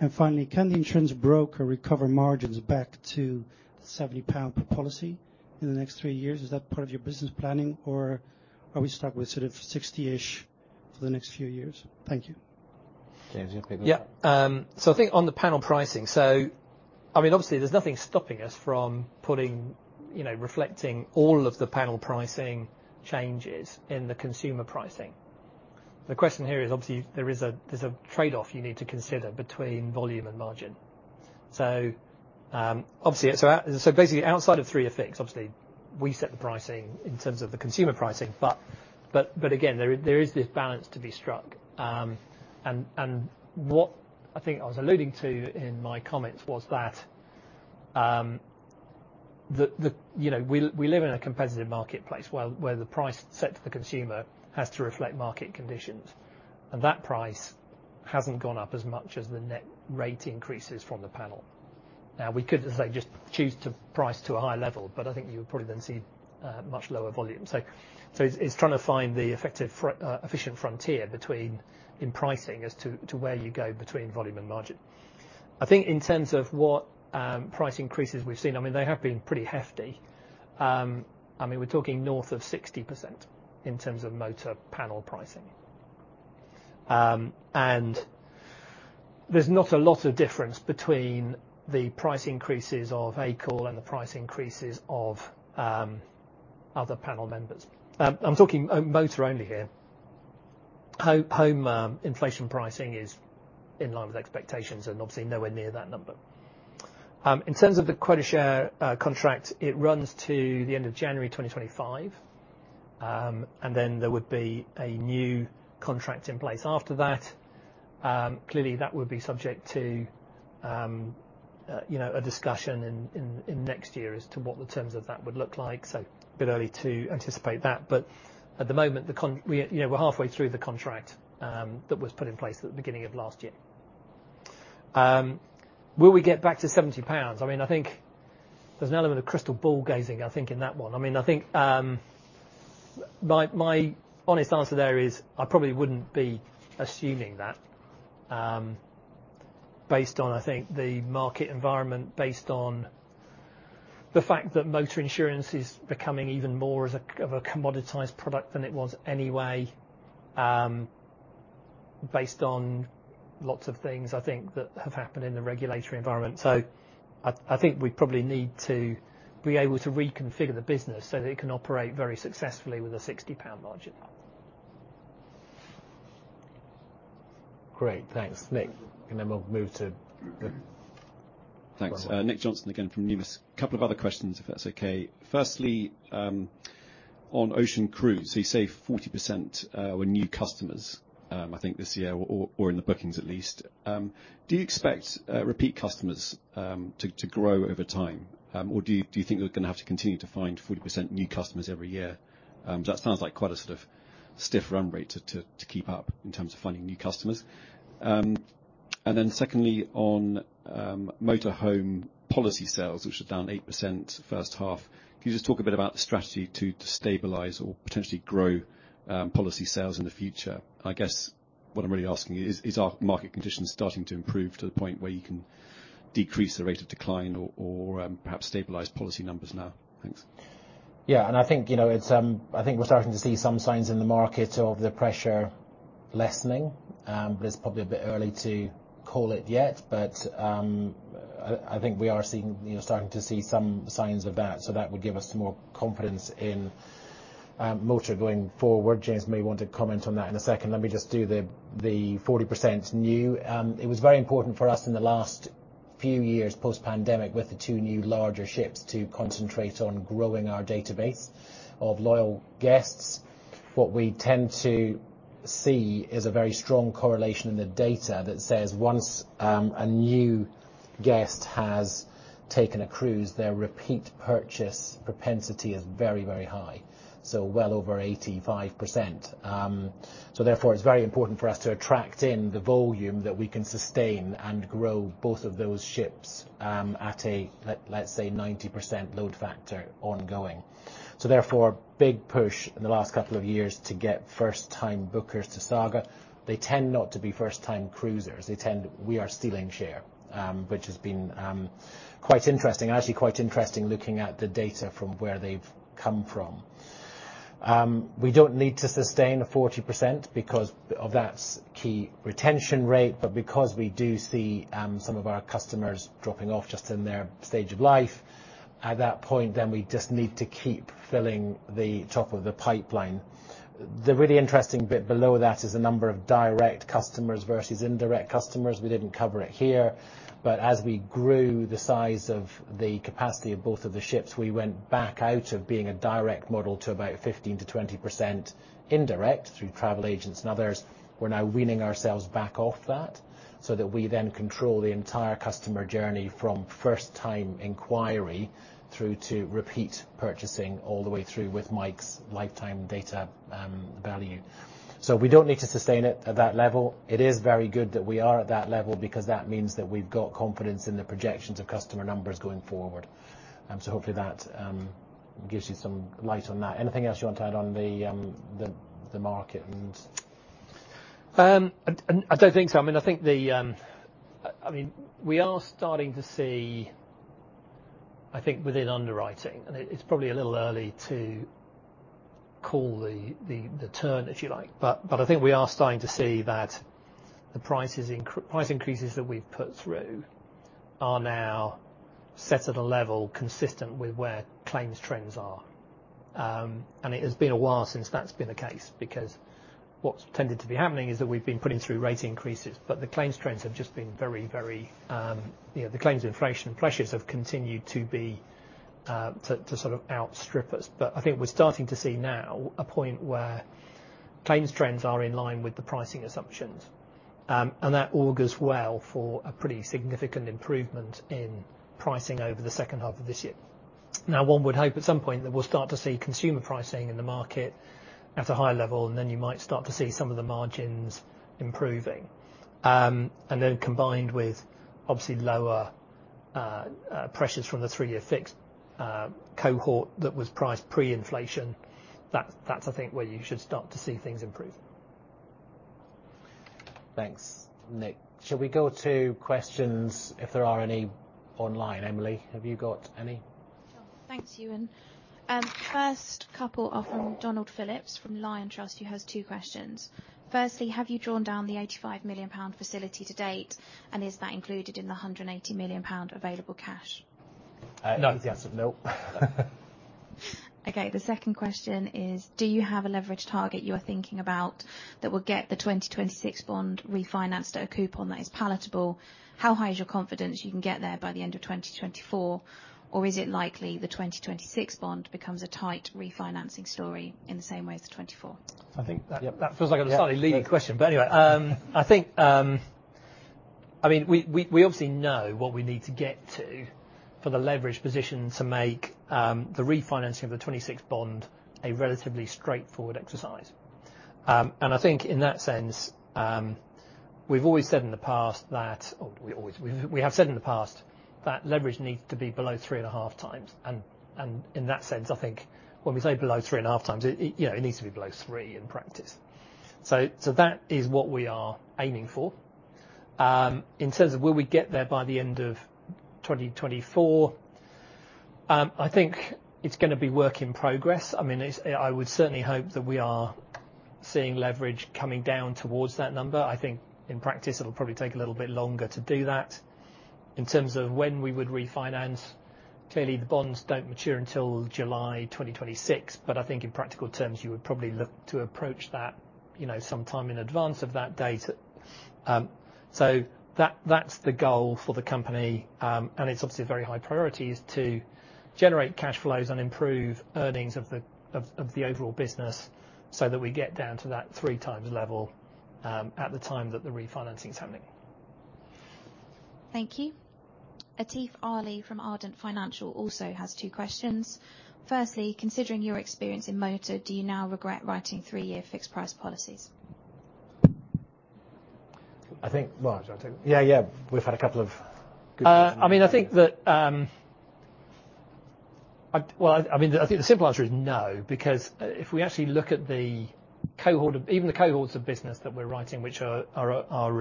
And finally, can the insurance broker recover margins back to 70 pound per policy in the next three years? Is that part of your business planning, or are we stuck with sort of 60-ish for the next few years? Thank you. James, you want to go? Yeah. So I think on the panel pricing, so I mean, obviously, there's nothing stopping us from putting, you know, reflecting all of the panel pricing changes in the consumer pricing. The question here is obviously there's a trade-off you need to consider between volume and margin. So, obviously, basically, outside of three effects, obviously, we set the pricing in terms of the consumer pricing. But again, there is this balance to be struck. And what I think I was alluding to in my comments was that, you know, we live in a competitive marketplace, where the price set to the consumer has to reflect market conditions, and that price hasn't gone up as much as the net rate increases from the panel. Now, we could just like, just choose to price to a higher level, but I think you would probably then see much lower volume. So, it's trying to find the effective efficient frontier between in pricing as to, to where you go between volume and margin. I think in terms of what price increases we've seen, I mean, they have been pretty hefty. I mean, we're talking north of 60% in terms of motor panel pricing. And there's not a lot of difference between the price increases of AICL and the price increases of other panel members. I'm talking motor only here. Home inflation pricing is in line with expectations and obviously nowhere near that number. In terms of the quota share contract, it runs to the end of January 2025. And then there would be a new contract in place after that. Clearly, that would be subject to, you know, a discussion in next year as to what the terms of that would look like. So a bit early to anticipate that, but at the moment, we, you know, we're halfway through the contract that was put in place at the beginning of last year. Will we get back to 70 pounds? I mean, I think there's an element of crystal ball gazing, I think, in that one. I mean, I think, my honest answer there is I probably wouldn't be assuming that, based on, I think, the market environment, based on the fact that motor insurance is becoming even more of a commoditized product than it was anyway, based on lots of things, I think, that have happened in the regulatory environment. So I, I think we probably need to be able to reconfigure the business so that it can operate very successfully with a 60 pound margin. Great. Thanks, Nick, and then we'll move to. Thanks. Welcome. Nick Johnson again from Numis. Couple of other questions, if that's okay. Firstly, on Ocean Cruise, you say 40%, were new customers, I think this year, or in the bookings at least. Do you expect repeat customers to grow over time? Or do you think you're gonna have to continue to find 40% new customers every year? That sounds like quite a sort of stiff run rate to keep up in terms of finding new customers. And then secondly, on motorhome policy sales, which are down 8% first half, can you just talk a bit about the strategy to stabilize or potentially grow policy sales in the future? I guess what I'm really asking is, are market conditions starting to improve to the point where you can decrease the rate of decline or, perhaps stabilize policy numbers now? Thanks. Yeah, and I think, you know, it's, I think we're starting to see some signs in the market of the pressure lessening. But it's probably a bit early to call it yet. But, I think we are seeing, you know, starting to see some signs of that, so that would give us more confidence in, motor going forward. James may want to comment on that in a second. Let me just do the 40% new. It was very important for us in the last few years, post-pandemic, with the two new larger ships, to concentrate on growing our database of loyal guests. What we tend to see is a very strong correlation in the data that says once, a new guest has taken a cruise, their repeat purchase propensity is very, very high, so well over 85%. So therefore, it's very important for us to attract in the volume that we can sustain and grow both of those ships, at a, let's say, 90% load factor ongoing. So therefore, big push in the last couple of years to get first-time bookers to Saga. They tend not to be first-time cruisers. They tend, we are stealing share, which has been quite interesting. Actually, quite interesting looking at the data from where they've come from. We don't need to sustain a 40% because of that key retention rate, but because we do see some of our customers dropping off just in their stage of life, at that point, then we just need to keep filling the top of the pipeline. The really interesting bit below that is the number of direct customers versus indirect customers. We didn't cover it here, but as we grew the size of the capacity of both of the ships, we went back out of being a direct model to about 15%-20% indirect through travel agents and others. We're now weaning ourselves back off that, so that we then control the entire customer journey from first-time inquiry through to repeat purchasing all the way through with Mike's lifetime data value. So we don't need to sustain it at that level. It is very good that we are at that level, because that means that we've got confidence in the projections of customer numbers going forward. So hopefully, that gives you some light on that. Anything else you want to add on the market and- I don't think so. I mean, I think the, I mean, we are starting to see, I think, within underwriting, and it's probably a little early to call the turn, if you like, but I think we are starting to see that the price increases that we've put through are now set at a level consistent with where claims trends are. And it has been a while since that's been the case, because what's tended to be happening is that we've been putting through rate increases, but the claims trends have just been very, very, you know, the claims inflation pressures have continued to be to sort of outstrip us. But I think we're starting to see now a point where claims trends are in line with the pricing assumptions, and that augurs well for a pretty significant improvement in pricing over the second half of this year. Now, one would hope at some point that we'll start to see consumer pricing in the market at a higher level, and then you might start to see some of the margins improving. And then combined with obviously lower pressures from the three-year fixed cohort that was priced pre-inflation, that's, I think, where you should start to see things improving. Thanks, Nick. Shall we go to questions, if there are any, online? Emily, have you got any? Sure. Thanks, Euan. First couple are from Donald Phillips, from Liontrust, who has two questions. Firstly, have you drawn down the 85 million pound facility to date, and is that included in the 180 million pound available cash? Uh, no. The answer's no. Okay, the second question is, do you have a leverage target you are thinking about that will get the 2026 bond refinanced at a coupon that is palatable? How high is your confidence you can get there by the end of 2024? Or is it likely the 2026 bond becomes a tight refinancing story in the same way as the 2024? I think that. Yep. That feels like a slightly leading question, but anyway, I think, I mean, we obviously know what we need to get to for the leverage position to make the refinancing of the 2026 bond a relatively straightforward exercise. And I think in that sense, we've always said in the past that or we have said in the past, that leverage needs to be below 3.5x. And in that sense, I think when we say below 3.5x, you know, it needs to be below 3 in practice. So that is what we are aiming for. In terms of will we get there by the end of 2024, I think it's gonna be work in progress. I mean, it's, I would certainly hope that we are seeing leverage coming down towards that number. I think in practice, it'll probably take a little bit longer to do that. In terms of when we would refinance, clearly, the bonds don't mature until July 2026, but I think in practical terms, you would probably look to approach that, you know, sometime in advance of that date. So that, that's the goal for the company, and it's obviously a very high priority, is to generate cash flows and improve earnings of the overall business, so that we get down to that 3x level, at the time that the refinancing is happening. Thank you. Atif Ali from Ardent Financial also has two questions. Firstly, considering your experience in motor, do you now regret writing three-year fixed price policies? I think, motor, I think. Yeah, yeah, we've had a couple of good. I mean, I think that, Well, I mean, I think the simple answer is no, because if we actually look at the cohort of, even the cohorts of business that we're writing, which are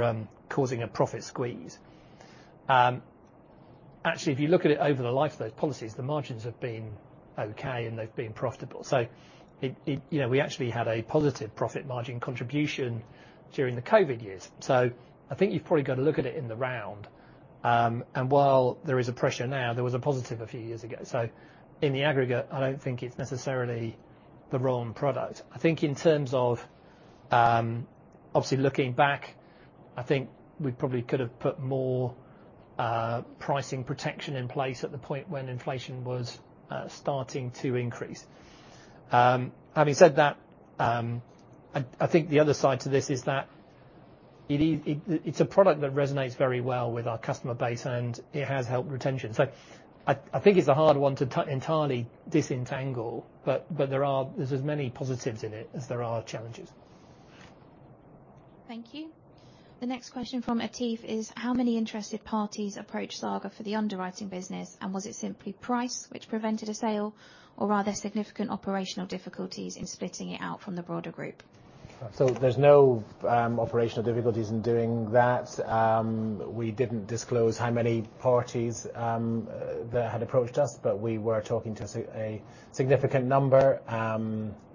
causing a profit squeeze, actually, if you look at it over the life of those policies, the margins have been okay, and they've been profitable. So it, you know, we actually had a positive profit margin contribution during the COVID years. So I think you've probably got to look at it in the round, and while there is a pressure now, there was a positive a few years ago. So in the aggregate, I don't think it's necessarily the wrong product. I think in terms of, obviously, looking back, I think we probably could have put more pricing protection in place at the point when inflation was starting to increase. Having said that, I, I think the other side to this is that it is, it, it's a product that resonates very well with our customer base, and it has helped retention. So I, I think it's a hard one to entirely disentangle, but, but there are, there's as many positives in it as there are challenges. Thank you. The next question from Atif is: How many interested parties approached Saga for the underwriting business, and was it simply price which prevented a sale, or are there significant operational difficulties in splitting it out from the broader group? So there's no operational difficulties in doing that. We didn't disclose how many parties that had approached us, but we were talking to a significant number.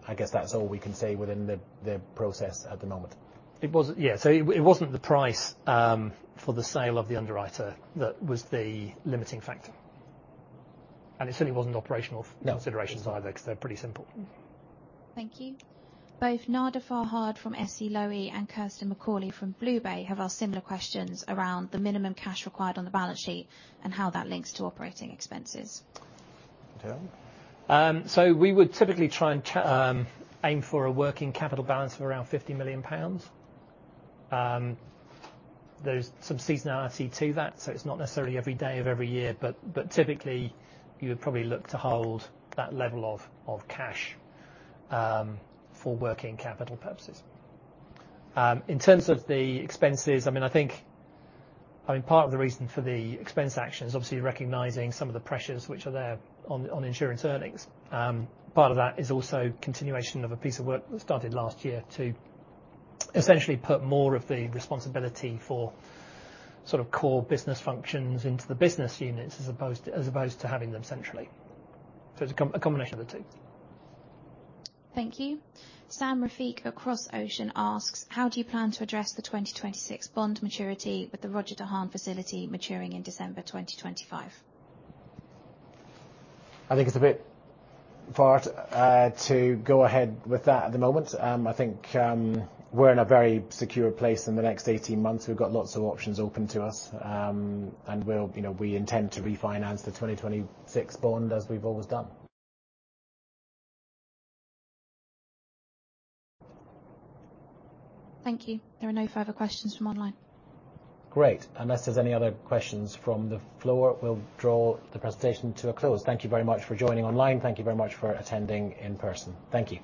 I guess that's all we can say within the process at the moment. It wasn't. Yeah, so it wasn't the price for the sale of the underwriter that was the limiting factor. And it certainly wasn't operational. No. Considerations either, 'cause they're pretty simple. Thank you. Both Nader Farhad from SC Lowy and Kirsten Macaulay from BlueBay have asked similar questions around the minimum cash required on the balance sheet and how that links to operating expenses. Okay. So we would typically try and aim for a working capital balance of around 50 million pounds. There's some seasonality to that, so it's not necessarily every day of every year, but typically, you would probably look to hold that level of cash for working capital purposes. In terms of the expenses, I mean, I think, I mean, part of the reason for the expense action is obviously recognizing some of the pressures which are there on insurance earnings. Part of that is also continuation of a piece of work that started last year to essentially put more of the responsibility for sort of core business functions into the business units, as opposed to having them centrally. So it's a combination of the two. Thank you. Sam Rafique at Cross Ocean asks: How do you plan to address the 2026 bond maturity with the Roger De Haan facility maturing in December 2025? I think it's a bit far to go ahead with that at the moment. I think we're in a very secure place in the next 18 months. We've got lots of options open to us. And we'll, you know, we intend to refinance the 2026 bond as we've always done. Thank you. There are no further questions from online. Great. Unless there's any other questions from the floor, we'll draw the presentation to a close. Thank you very much for joining online. Thank you very much for attending in person. Thank you.